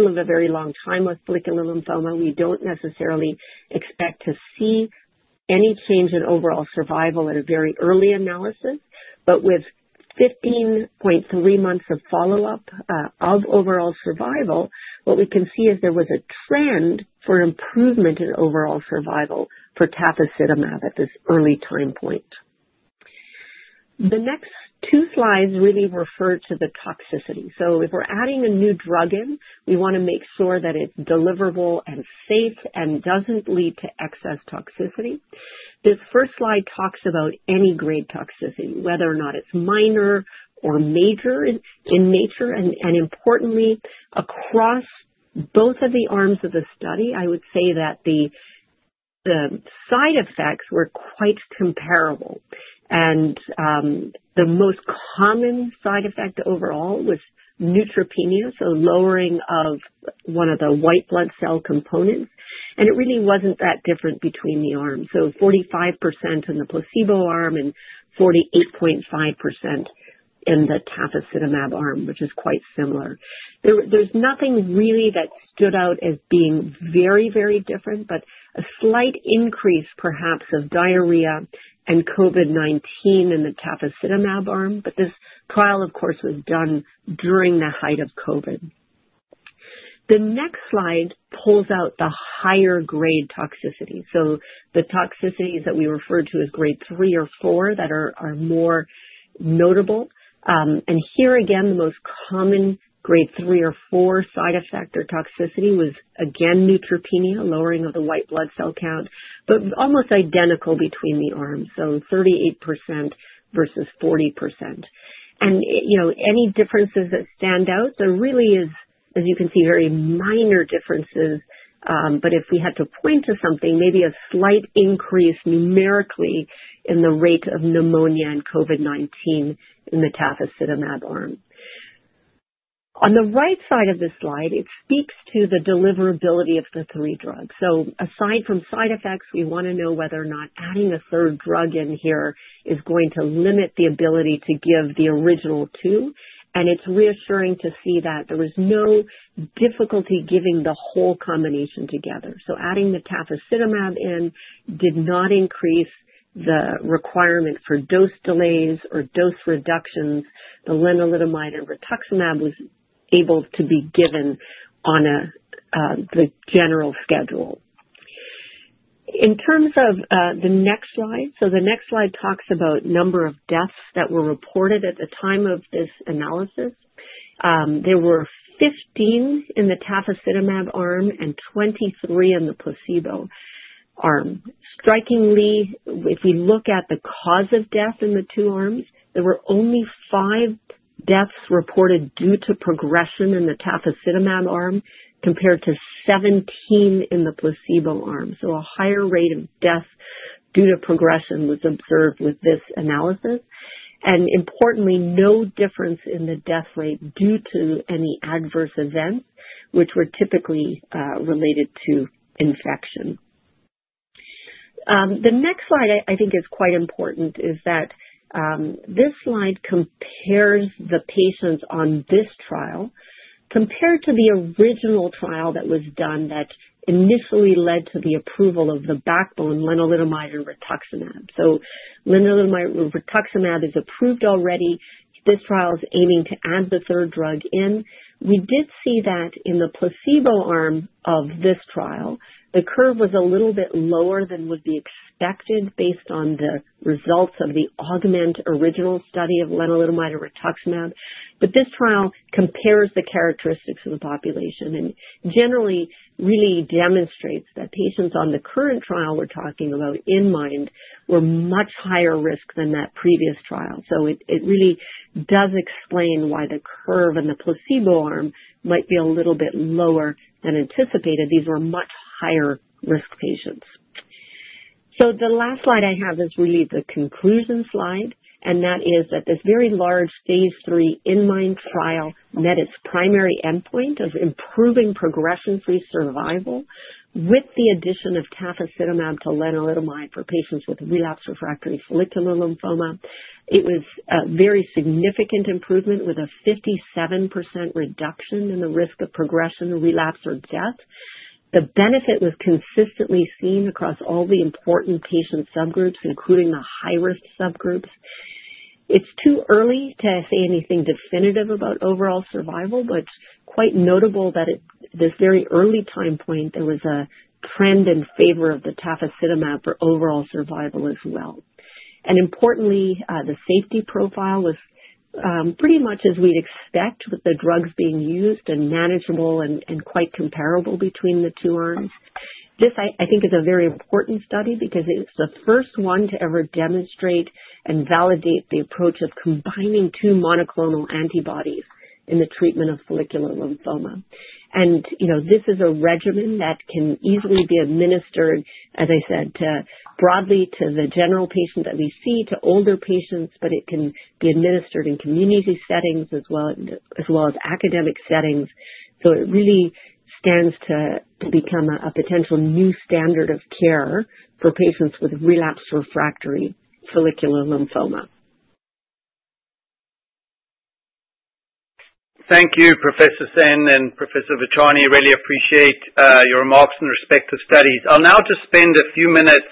live a very long time with follicular lymphoma. We don't necessarily expect to see any change in overall survival at a very early analysis. But with 15.3 months of follow-up of overall survival, what we can see is there was a trend for improvement in overall survival for tafasitamab at this early time point. The next two slides really refer to the toxicity. So if we're adding a new drug in, we want to make sure that it's deliverable and safe and doesn't lead to excess toxicity. This first slide talks about any grade toxicity, whether or not it's minor or major in nature. And importantly, across both of the arms of the study, I would say that the side effects were quite comparable. And the most common side effect overall was neutropenia, so lowering of one of the white blood cell components. And it really wasn't that different between the arms, so 45% in the placebo arm and 48.5% in the tafasitamab arm, which is quite similar. There's nothing really that stood out as being very, very different, but a slight increase perhaps of diarrhea and COVID-19 in the tafasitamab arm. But this trial, of course, was done during the height of COVID. The next slide pulls out the higher grade toxicity. So the toxicities that we refer to as grade 3 or 4 that are more notable. And here again, the most common grade 3 or 4 side effect or toxicity was, again, neutropenia, lowering of the white blood cell count, but almost identical between the arms, so 38% versus 40%. And any differences that stand out, there really is, as you can see, very minor differences. But if we had to point to something, maybe a slight increase numerically in the rate of pneumonia and COVID-19 in the tafasitamab arm. On the right side of this slide, it speaks to the deliverability of the three drugs. So aside from side effects, we want to know whether or not adding a third drug in here is going to limit the ability to give the original two. And it's reassuring to see that there was no difficulty giving the whole combination together. So adding the tafasitamab in did not increase the requirement for dose delays or dose reductions. The lenalidomide and rituximab was able to be given on the general schedule. In terms of the next slide, so the next slide talks about number of deaths that were reported at the time of this analysis. There were 15 in the tafasitamab arm and 23 in the placebo arm. Strikingly, if we look at the cause of death in the two arms, there were only five deaths reported due to progression in the tafasitamab arm compared to 17 in the placebo arm. So a higher rate of death due to progression was observed with this analysis. And importantly, no difference in the death rate due to any adverse events, which were typically related to infection. The next slide, I think, is quite important is that this slide compares the patients on this trial compared to the original trial that was done that initially led to the approval of the backbone lenalidomide and rituximab. So lenalidomide and rituximab is approved already. This trial is aiming to add the third drug in. We did see that in the placebo arm of this trial, the curve was a little bit lower than would be expected based on the results of the AUGMENT original study of lenalidomide and rituximab. But this trial compares the characteristics of the population and generally really demonstrates that patients on the current trial we're talking about inMIND were much higher risk than that previous trial. So it really does explain why the curve in the placebo arm might be a little bit lower than anticipated. These were much higher risk patients. So the last slide I have is really the conclusion slide, and that is that this very large phase 3 inMIND trial met its primary endpoint of improving progression-free survival with the addition of tafasitamab to lenalidomide for patients with relapsed refractory follicular lymphoma. It was a very significant improvement with a 57% reduction in the risk of progression, relapse, or death. The benefit was consistently seen across all the important patient subgroups, including the high-risk subgroups. It's too early to say anything definitive about overall survival, but it's quite notable that at this very early time point, there was a trend in favor of the tafasitamab for overall survival as well, and importantly, the safety profile was pretty much as we'd expect with the drugs being used and manageable and quite comparable between the two arms. This, I think, is a very important study because it's the first one to ever demonstrate and validate the approach of combining two monoclonal antibodies in the treatment of follicular lymphoma. This is a regimen that can easily be administered, as I said, broadly to the general patient that we see, to older patients, but it can be administered in community settings as well as academic settings. It really stands to become a potential new standard of care for patients with relapsed/refractory follicular lymphoma. Thank you, Professor Sehn and Professor Vachhani. I really appreciate your remarks and respect to studies. I'll now just spend a few minutes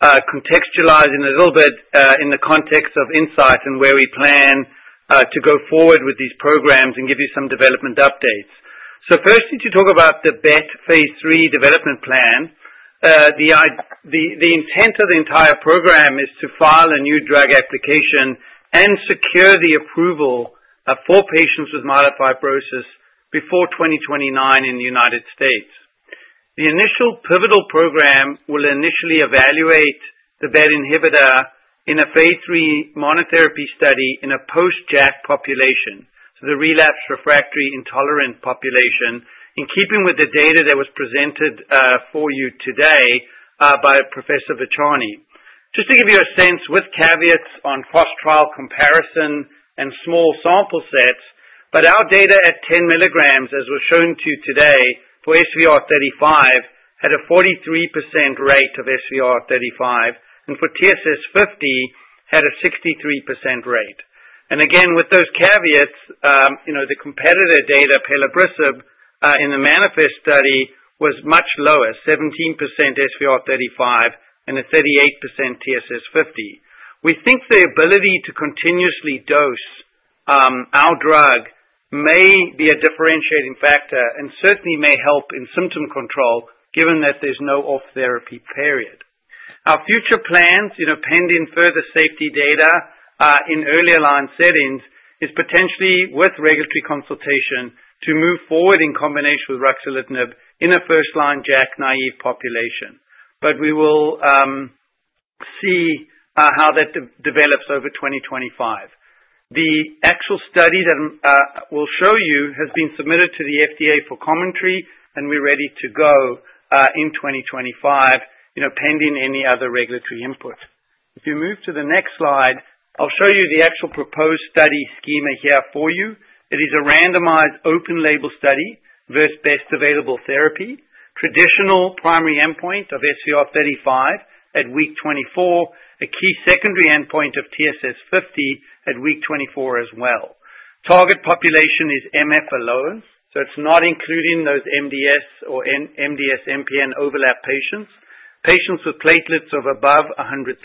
contextualizing a little bit in the context of Incyte and where we plan to go forward with these programs and give you some development updates. First, to talk about the BET phase 3 development plan. The intent of the entire program is to file a new drug application and secure the approval for patients with myelofibrosis before 2029 in the United States. The initial pivotal program will initially evaluate the BET inhibitor in a phase 3 monotherapy study in a post-JAK population, the relapsed refractory intolerant population, in keeping with the data that was presented for you today by Professor Vachhani. Just to give you a sense with caveats on cross-trial comparison and small sample sets, but our data at 10 milligrams, as we're showing to you today for SVR35, had a 43% rate of SVR35, and for TSS50 had a 63% rate. And again, with those caveats, the competitor data, pelabresib, in the MANIFEST study was much lower, 17% SVR35 and a 38% TSS50. We think the ability to continuously dose our drug may be a differentiating factor and certainly may help in symptom control given that there's no off therapy period. Our future plans, pending further safety data in early aligned settings, is potentially worth regulatory consultation to move forward in combination with ruxolitinib in a first-line JAK naive population. But we will see how that develops over 2025. The actual study that we'll show you has been submitted to the FDA for commentary, and we're ready to go in 2025, pending any other regulatory input. If you move to the next slide, I'll show you the actual proposed study schema here for you. It is a randomized open-label study versus best available therapy, traditional primary endpoint of SVR35 at week 24, a key secondary endpoint of TSS50 at week 24 as well. Target population is MF alone, so it's not including those MDS or MDS-MPN overlap patients, patients with platelets of above 100,000.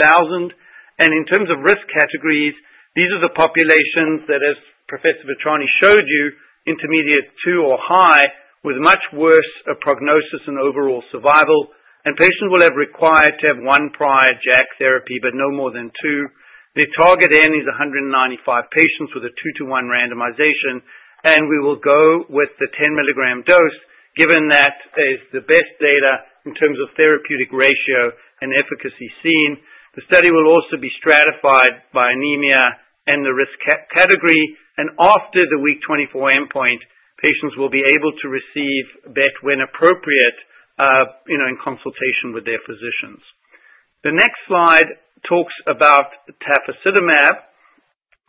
In terms of risk categories, these are the populations that, as Professor Vachhani showed you, intermediate-2 or high, with much worse prognosis and overall survival. Patients will have required to have one prior JAK therapy, but no more than two. The target end is 195 patients with a 2:1 randomization, and we will go with the 10-milligram dose given that is the best data in terms of therapeutic ratio and efficacy seen. The study will also be stratified by anemia and the risk category. After the week 24 endpoint, patients will be able to receive BET when appropriate in consultation with their physicians. The next slide talks about tafasitamab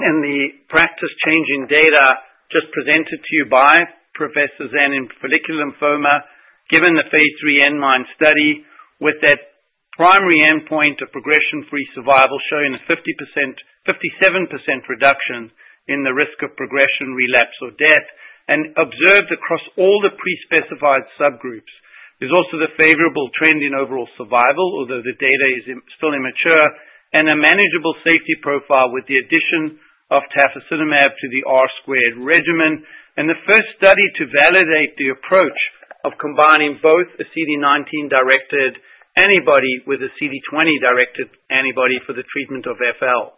and the practice-changing data just presented to you by Professor Sehn in follicular lymphoma, given the phase 3 inMIND study, with that primary endpoint of progression-free survival showing a 57% reduction in the risk of progression, relapse, or death, and observed across all the pre-specified subgroups. There's also the favorable trend in overall survival, although the data is still immature, and a manageable safety profile with the addition of tafasitamab to the R-squared regimen. And the first study to validate the approach of combining both a CD19-directed antibody with a CD20-directed antibody for the treatment of FL.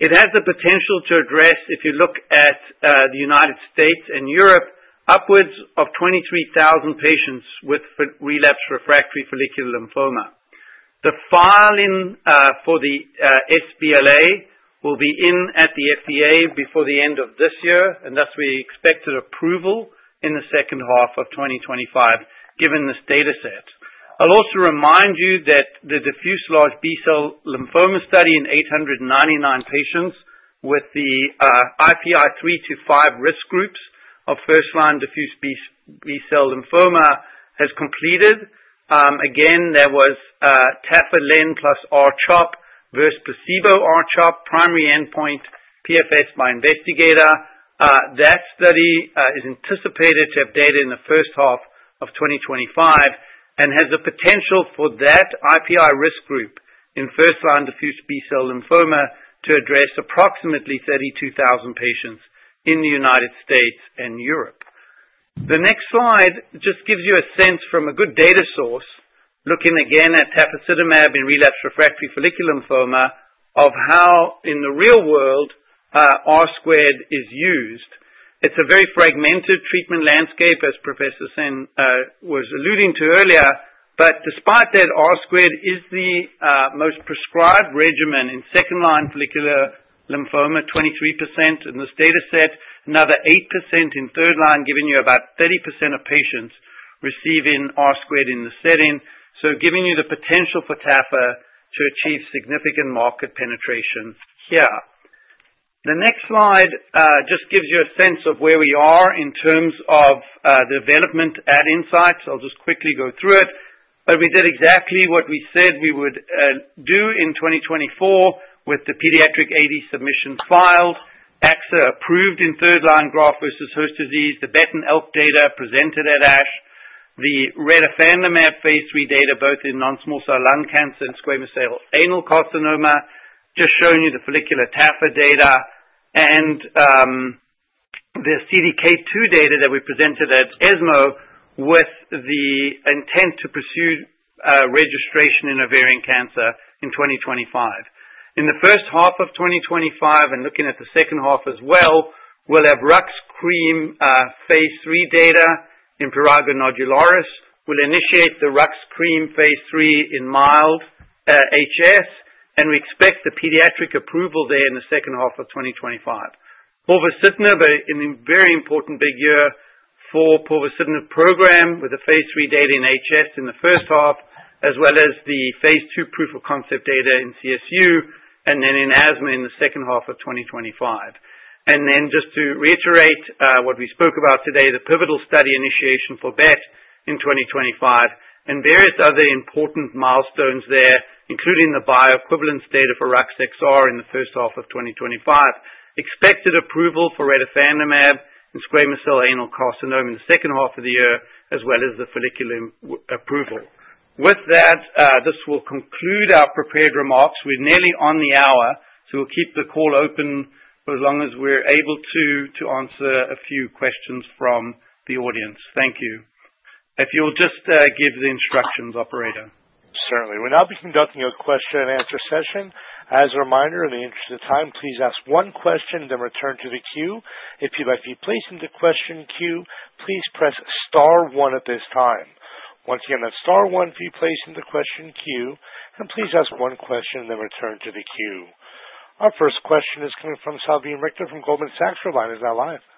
It has the potential to address, if you look at the United States and Europe, upwards of 23,000 patients with relapsed refractory follicular lymphoma. The filing for the sBLA will be in at the FDA before the end of this year, and thus we expect approval in the second half of 2025 given this dataset. I'll also remind you that the diffuse large B-cell lymphoma study in 899 patients with the IPI 3-5 risk groups of first-line diffuse B-cell lymphoma has completed. Again, there was Tafa-Len plus R-CHOP versus placebo R-CHOP, primary endpoint PFS by investigator. That study is anticipated to have data in the first half of 2025 and has the potential for that IPI risk group in first-line diffuse B-cell lymphoma to address approximately 32,000 patients in the United States and Europe. The next slide just gives you a sense from a good data source, looking again at tafasitamab in relapsed refractory follicular lymphoma, of how in the real world R-squared is used. It's a very fragmented treatment landscape, as Professor Sehn was alluding to earlier, but despite that, R-squared is the most prescribed regimen in second-line follicular lymphoma, 23% in this dataset, another 8% in third line, giving you about 30% of patients receiving R-squared in the setting, so giving you the potential for tafa to achieve significant market penetration here. The next slide just gives you a sense of where we are in terms of development at Incyte. I'll just quickly go through it. We did exactly what we said we would do in 2024 with the pediatric AD submission filed, axatilimab approved in third-line graft versus host disease, the BET and ALK data presented at ASH, the retifanlimab phase 3 data both in non-small cell lung cancer and squamous cell anal carcinoma, just showing you the follicular tafasitamab data, and the CDK2 data that we presented at ESMO with the intent to pursue registration in ovarian cancer in 2025. In the first half of 2025, and looking at the second half as well, we'll have RUX cream phase 3 data in prurigo nodularis. We'll initiate the RUX cream phase 3 in mild HS, and we expect the pediatric approval there in the second half of 2025. Povorcitinib, a very important big year for the povorcitinib program with the phase 3 data in HS in the first half, as well as the phase 2 proof of concept data in CSU and then in asthma in the second half of 2025. Then just to reiterate what we spoke about today, the pivotal study initiation for BET in 2025 and various other important milestones there, including the bioequivalence data for RUX XR in the first half of 2025, expected approval for retifanlimab and squamous cell anal carcinoma in the second half of the year, as well as the follicular approval. With that, this will conclude our prepared remarks. We're nearly on the hour, so we'll keep the call open for as long as we're able to answer a few questions from the audience. Thank you. If you'll just give the instructions, Operator. Certainly. We'll now be conducting a question-and-answer session. As a reminder, in the interest of time, please ask one question and then return to the queue. If you'd like to be placed in the question queue, please press star one at this time. Once again, that's star one if you're placed in the question queue, and please ask one question and then return to the queue. Our first question is coming from Salveen Richter from Goldman Sachs on the line now.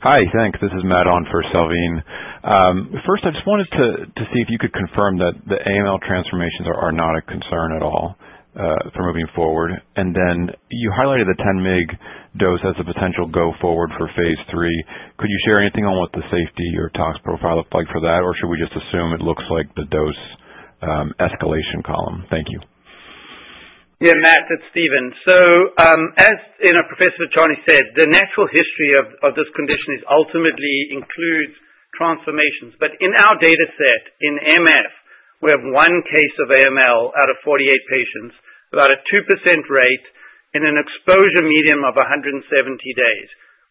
Hi, thanks. This is Matt on for Salveen. First, I just wanted to see if you could confirm that the AML transformations are not a concern at all for moving forward. And then you highlighted the 10-mg dose as a potential go-forward for phase 3. Could you share anything on what the safety or tox profile looks like for that, or should we just assume it looks like the dose escalation column? Thank you. Yeah, Matt, that's Steven. So as Dr. Pankit Vachhani said, the natural history of this condition ultimately includes transformations. But in our dataset in MF, we have one case of AML out of 48 patients with about a 2% rate and a median exposure of 170 days.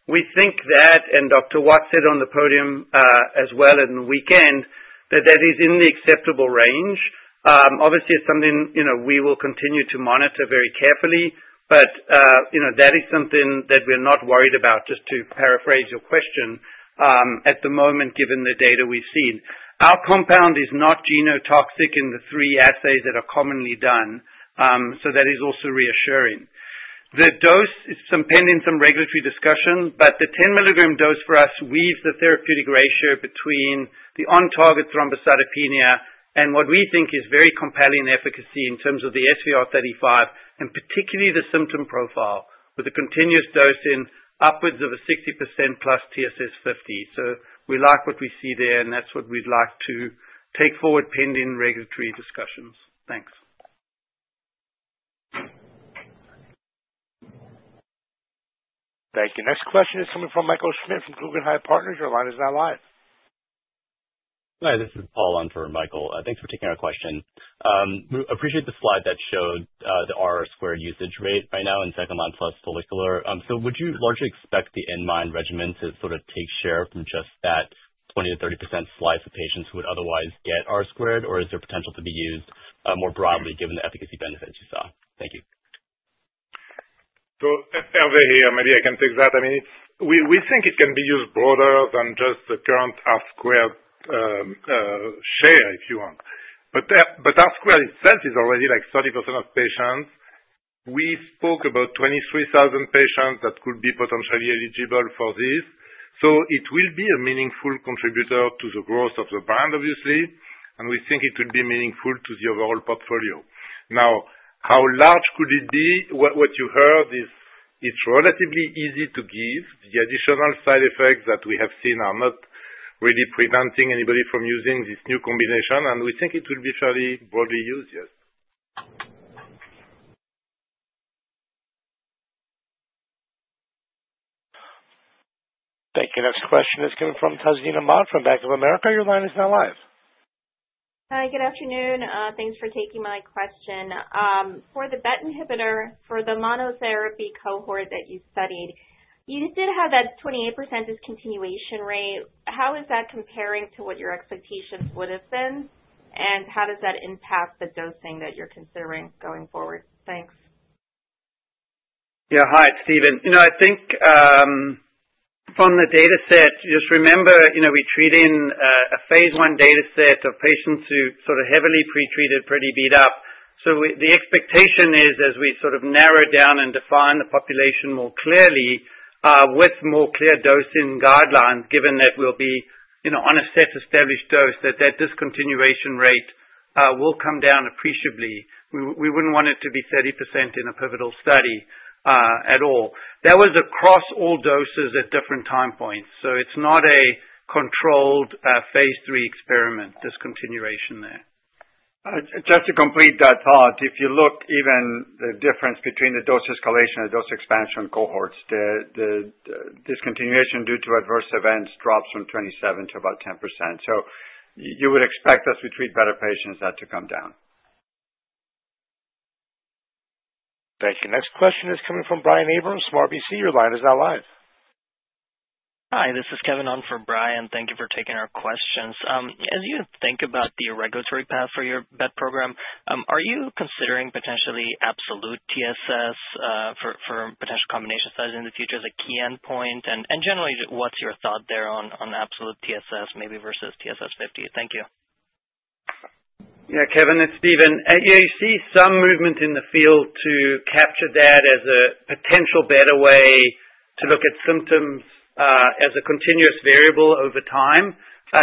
We think that, and Dr. Justin Watts said on the podium as well over the weekend, that that is in the acceptable range. Obviously, it is something we will continue to monitor very carefully, but that is something that we are not worried about, just to paraphrase your question, at the moment given the data we have seen. Our compound is not genotoxic in the three assays that are commonly done, so that is also reassuring. The dose is pending some regulatory discussion, but the 10-milligram dose for us weighs the therapeutic ratio between the on-target thrombocytopenia and what we think is very compelling efficacy in terms of the SVR35 and particularly the symptom profile with a continuous dosing upwards of a 60% plus TSS50. So we like what we see there, and that's what we'd like to take forward pending regulatory discussions. Thanks. Thank you. Next question is coming from Michael Schmidt from Guggenheim Securities. Your line is now live. Hi, this is Paul on for Michael. Thanks for taking our question. We appreciate the slide that showed the R-squared usage rate right now in second-line plus follicular. So would you largely expect the inMIND regimen to sort of take share from just that 20%-30% slice of patients who would otherwise get R-squared, or is there potential to be used more broadly given the efficacy benefits you saw? Thank you. So if Hervé here maybe I can take that. I mean, we think it can be used broader than just the current R-squared share, if you want. But R-squared itself is already like 30% of patients. We spoke about 23,000 patients that could be potentially eligible for this. So it will be a meaningful contributor to the growth of the brand, obviously, and we think it would be meaningful to the overall portfolio. Now, how large could it be? What you heard is it's relatively easy to give. The additional side effects that we have seen are not really preventing anybody from using this new combination, and we think it will be fairly broadly used, yes. Thank you. Next question is coming from Tazeen Ahmad from Bank of America. Your line is now live. Hi, good afternoon. Thanks for taking my question. For the BET inhibitor for the monotherapy cohort that you studied, you did have that 28% discontinuation rate. How is that comparing to what your expectations would have been, and how does that impact the dosing that you're considering going forward? Thanks. Yeah, hi, it's Steven. I think from the dataset, just remember we're treating a phase one dataset of patients who are sort of heavily pretreated, pretty beat up. So the expectation is, as we sort of narrow down and define the population more clearly with more clear dosing guidelines, given that we'll be on a set established dose, that that discontinuation rate will come down appreciably. We wouldn't want it to be 30% in a pivotal study at all. That was across all doses at different time points. So it's not a controlled phase three experiment discontinuation there. Just to complete that thought, if you look even the difference between the dose escalation and the dose expansion cohorts, the discontinuation due to adverse events drops from 27% to about 10%. So you would expect us to treat better patients that to come down. Thank you. Next question is coming from Brian Abrahams, RBC Capital Markets. Your line is now live. Hi, this is Kevin on for Brian. Thank you for taking our questions. As you think about the regulatory path for your BET program, are you considering potentially absolute TSS for potential combination studies in the future as a key endpoint? And generally, what's your thought there on absolute TSS maybe versus TSS50? Thank you. Yeah, Kevin, it's Steven. You see some movement in the field to capture that as a potential better way to look at symptoms as a continuous variable over time.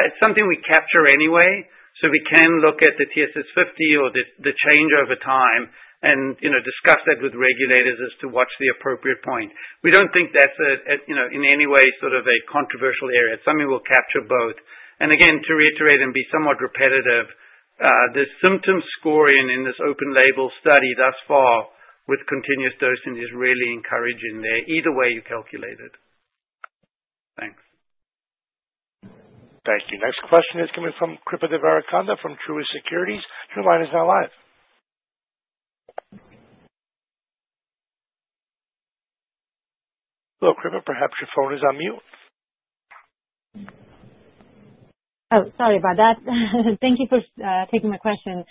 It's something we capture anyway, so we can look at the TSS50 or the change over time and discuss that with regulators as to what's the appropriate point. We don't think that's in any way sort of a controversial area. It's something we'll capture both. And again, to reiterate and be somewhat repetitive, the symptom score in this open label study thus far with continuous dosing is really encouraging there, either way you calculate it. Thanks. Thank you. Next question is coming from Kripa Devarakonda from Truist Securities. Your line is now live. Hello, Kripa, perhaps your phone is on mute. Oh, sorry about that. Thank you for taking my question.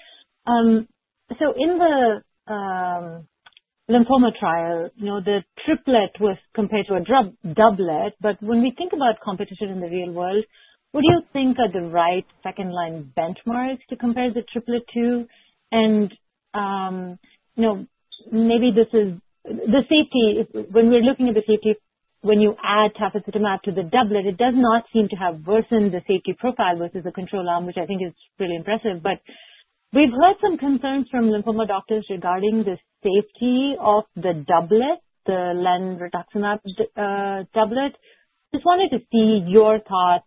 So in the lymphoma trial, the triplet was compared to a doublet, but when we think about competition in the real world, what do you think are the right second-line benchmarks to compare the triplet to? And maybe this is the safety. When we're looking at the safety, when you add tafasitamab to the doublet, it does not seem to have worsened the safety profile versus the control arm, which I think is really impressive. But we've heard some concerns from lymphoma doctors regarding the safety of the doublet, the lenalidomide-rituximab doublet. Just wanted to see your thoughts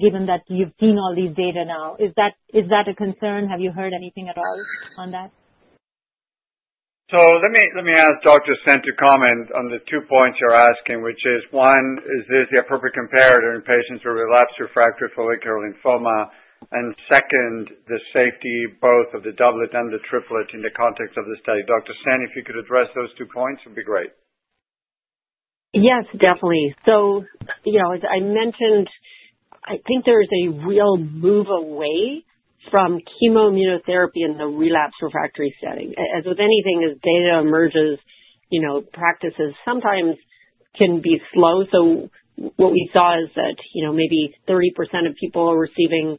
given that you've seen all these data now. Is that a concern? Have you heard anything at all on that? So let me ask Dr. Sehn to comment on the two points you're asking, which is one, is this the appropriate comparator in patients with relapsed refractory follicular lymphoma? And second, the safety both of the doublet and the triplet in the context of the study. Dr. Sehn, if you could address those two points, it would be great. Yes, definitely. So as I mentioned, I think there is a real move away from chemoimmunotherapy in the relapsed refractory setting. As with anything, as data emerges, practices sometimes can be slow. So what we saw is that maybe 30% of people are receiving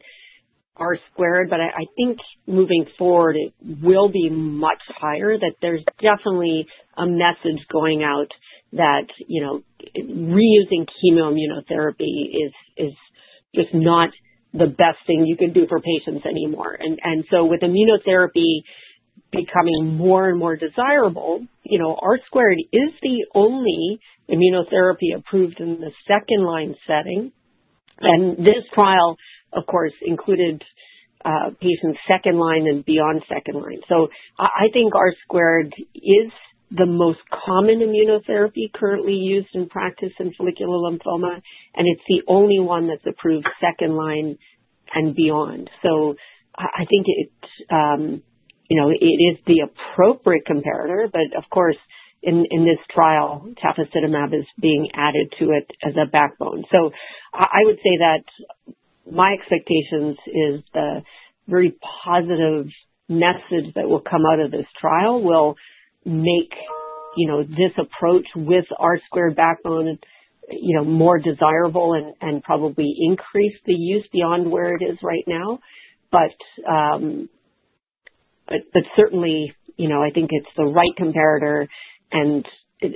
R-squared, but I think moving forward, it will be much higher that there's definitely a message going out that reusing chemoimmunotherapy is just not the best thing you can do for patients anymore. And so with immunotherapy becoming more and more desirable, R-squared is the only immunotherapy approved in the second-line setting. And this trial, of course, included patients second-line and beyond second-line. So I think R-squared is the most common immunotherapy currently used in practice in follicular lymphoma, and it's the only one that's approved second-line and beyond. So I think it is the appropriate comparator, but of course, in this trial, tafasitamab is being added to it as a backbone. So I would say that my expectations is the very positive message that will come out of this trial will make this approach with R-squared backbone more desirable and probably increase the use beyond where it is right now. But certainly, I think it's the right comparator. This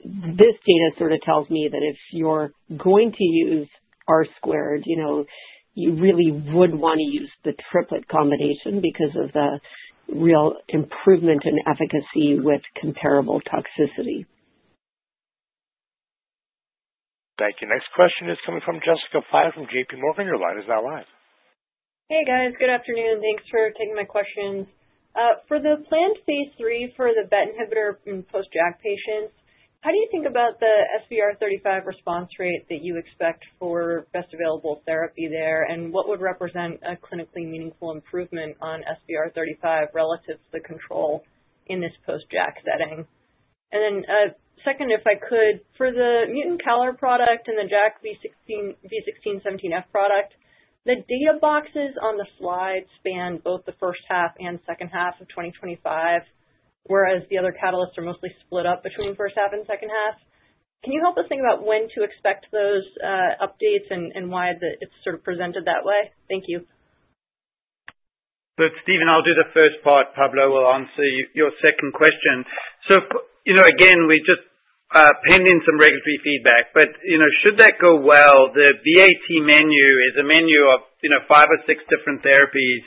data sort of tells me that if you're going to use R-squared, you really would want to use the triplet combination because of the real improvement in efficacy with comparable toxicity. Thank you. Next question is coming from Jessica Fye from J.P. Morgan. Your line is now live. Hey, guys. Good afternoon. Thanks for taking my questions. For the planned phase three for the BET inhibitor in post-JAK patients, how do you think about the SVR35 response rate that you expect for best available therapy there, and what would represent a clinically meaningful improvement on SVR35 relative to the control in this post-JAK setting? And then second, if I could, for the mutant CALR product and the JAK2 V617F product, the data boxes on the slide span both the first half and second half of 2025, whereas the other catalysts are mostly split up between first half and second half. Can you help us think about when to expect those updates and why it's sort of presented that way? Thank you. But Steven, I'll do the first part. Pablo will answer your second question. So again, we're just pending some regulatory feedback. But should that go well, the BAT menu is a menu of five or six different therapies,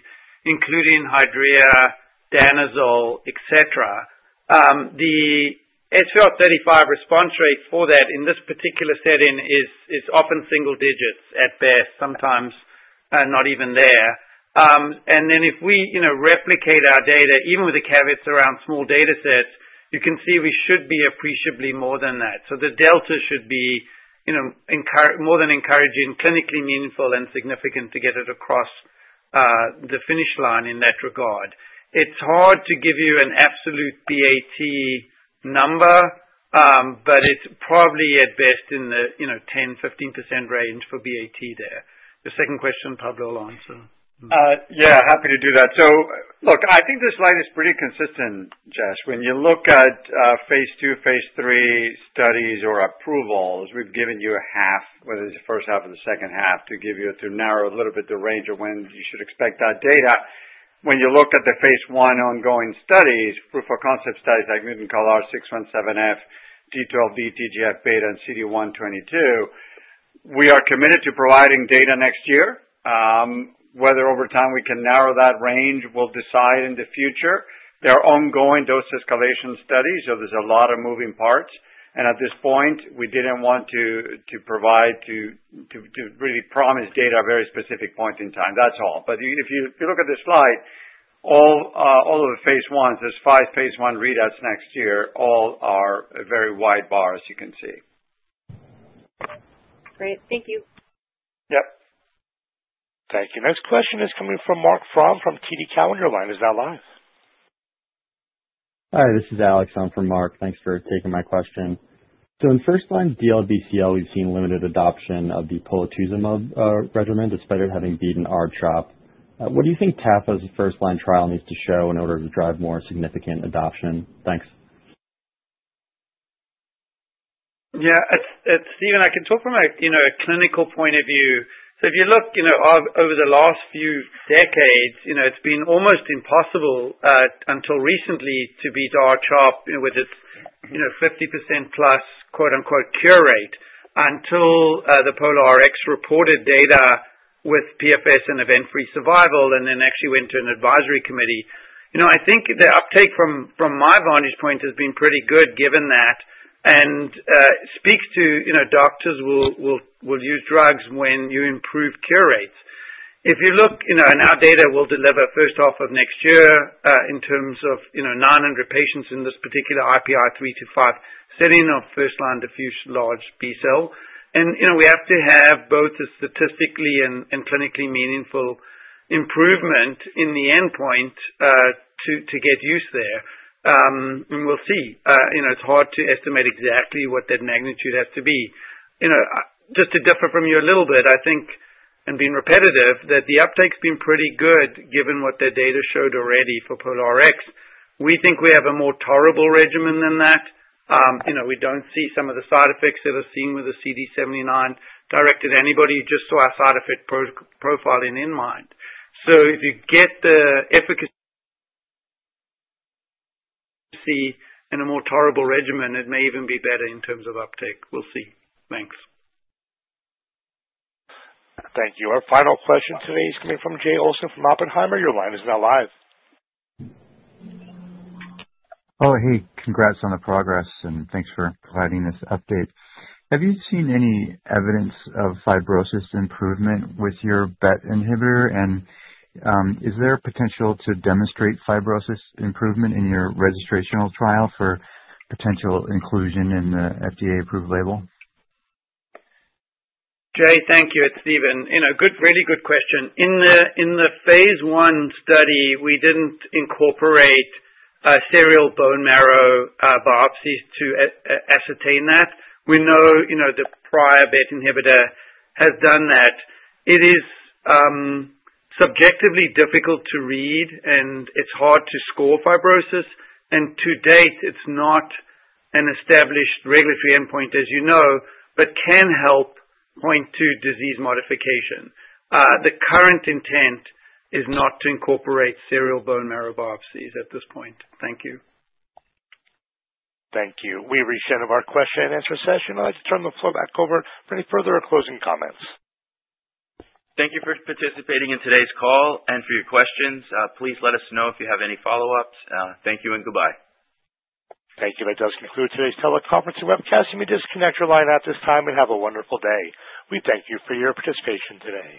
including Hydrea, danazol, etc. The SVR35 response rate for that in this particular setting is often single digits at best, sometimes not even there. Then if we replicate our data, even with the caveats around small datasets, you can see we should be appreciably more than that. So the delta should be more than encouraging, clinically meaningful, and significant to get it across the finish line in that regard. It's hard to give you an absolute BAT number, but it's probably at best in the 10%-15% range for BAT there. Your second question, Pablo will answer. Yeah, happy to do that. So look, I think this slide is pretty consistent, Jess. When you look at phase two, phase three studies or approvals, we've given you a half, whether it's the first half or the second half, to give you to narrow a little bit the range of when you should expect that data. When you look at the phase 1 ongoing studies, proof of concept studies like mutant CALR, 617F, G12D, TGF beta, and CD122, we are committed to providing data next year. Whether over time we can narrow that range, we'll decide in the future. There are ongoing dose escalation studies, so there's a lot of moving parts. And at this point, we didn't want to provide to really promise data at a very specific point in time. That's all. But if you look at this slide, all of the phase 1s, there's five phase 1 readouts next year. All are very wide bars, you can see. Great. Thank you. Yep. Thank you. Next question is coming from Marc Frahm from TD Cowen. Is that live? Hi, this is Alex. I'm from Marc. Thanks for taking my question. In first-line DLBCL, we've seen limited adoption of the polatuzumab regimen despite it having beaten R-CHOP. What do you think Tafo's first-line trial needs to show in order to drive more significant adoption? Thanks. Yeah, Steven, I can talk from a clinical point of view. If you look over the last few decades, it's been almost impossible until recently to beat R-CHOP with its 50% plus "cure rate" until the POLARIX reported data with PFS and event-free survival and then actually went to an advisory committee. I think the uptake from my vantage point has been pretty good given that and speaks to doctors will use drugs when you improve cure rates. If you look in our data, we'll deliver first half of next year in terms of 900 patients in this particular IPR 3 to 5 setting of first-line diffuse large B cell. And we have to have both a statistically and clinically meaningful improvement in the endpoint to get use there. And we'll see. It's hard to estimate exactly what that magnitude has to be. Just to differ from you a little bit, I think, and being repetitive, that the uptake's been pretty good given what the data showed already for POLARIX. We think we have a more tolerable regimen than that. We don't see some of the side effects that are seen with the CD79 directed antibody. You just saw our side effect profile in line. So if you get the efficacy in a more tolerable regimen, it may even be better in terms of uptake. We'll see. Thanks. Thank you. Our final question today is coming from Jay Olson from Oppenheimer. Your line is now live. Oh, hey, congrats on the progress, and thanks for providing this update. Have you seen any evidence of fibrosis improvement with your BET inhibitor? And is there a potential to demonstrate fibrosis improvement in your registrational trial for potential inclusion in the FDA-approved label? Jay, thank you. It's Steven. Really good question. In the phase one study, we didn't incorporate serial bone marrow biopsies to ascertain that. We know the prior BET inhibitor has done that. It is subjectively difficult to read, and it's hard to score fibrosis. And to date, it's not an established regulatory endpoint, as you know, but can help point to disease modification. The current intent is not to incorporate serial bone marrow biopsies at this point. Thank you. Thank you. We conclude our question and answer session. I'd like to turn the floor back over for any further or closing comments. Thank you for participating in today's call and for your questions. Please let us know if you have any follow-ups. Thank you and goodbye. Thank you. That does conclude today's teleconference and webcast. You may disconnect your line at this time and have a wonderful day. We thank you for your participation today.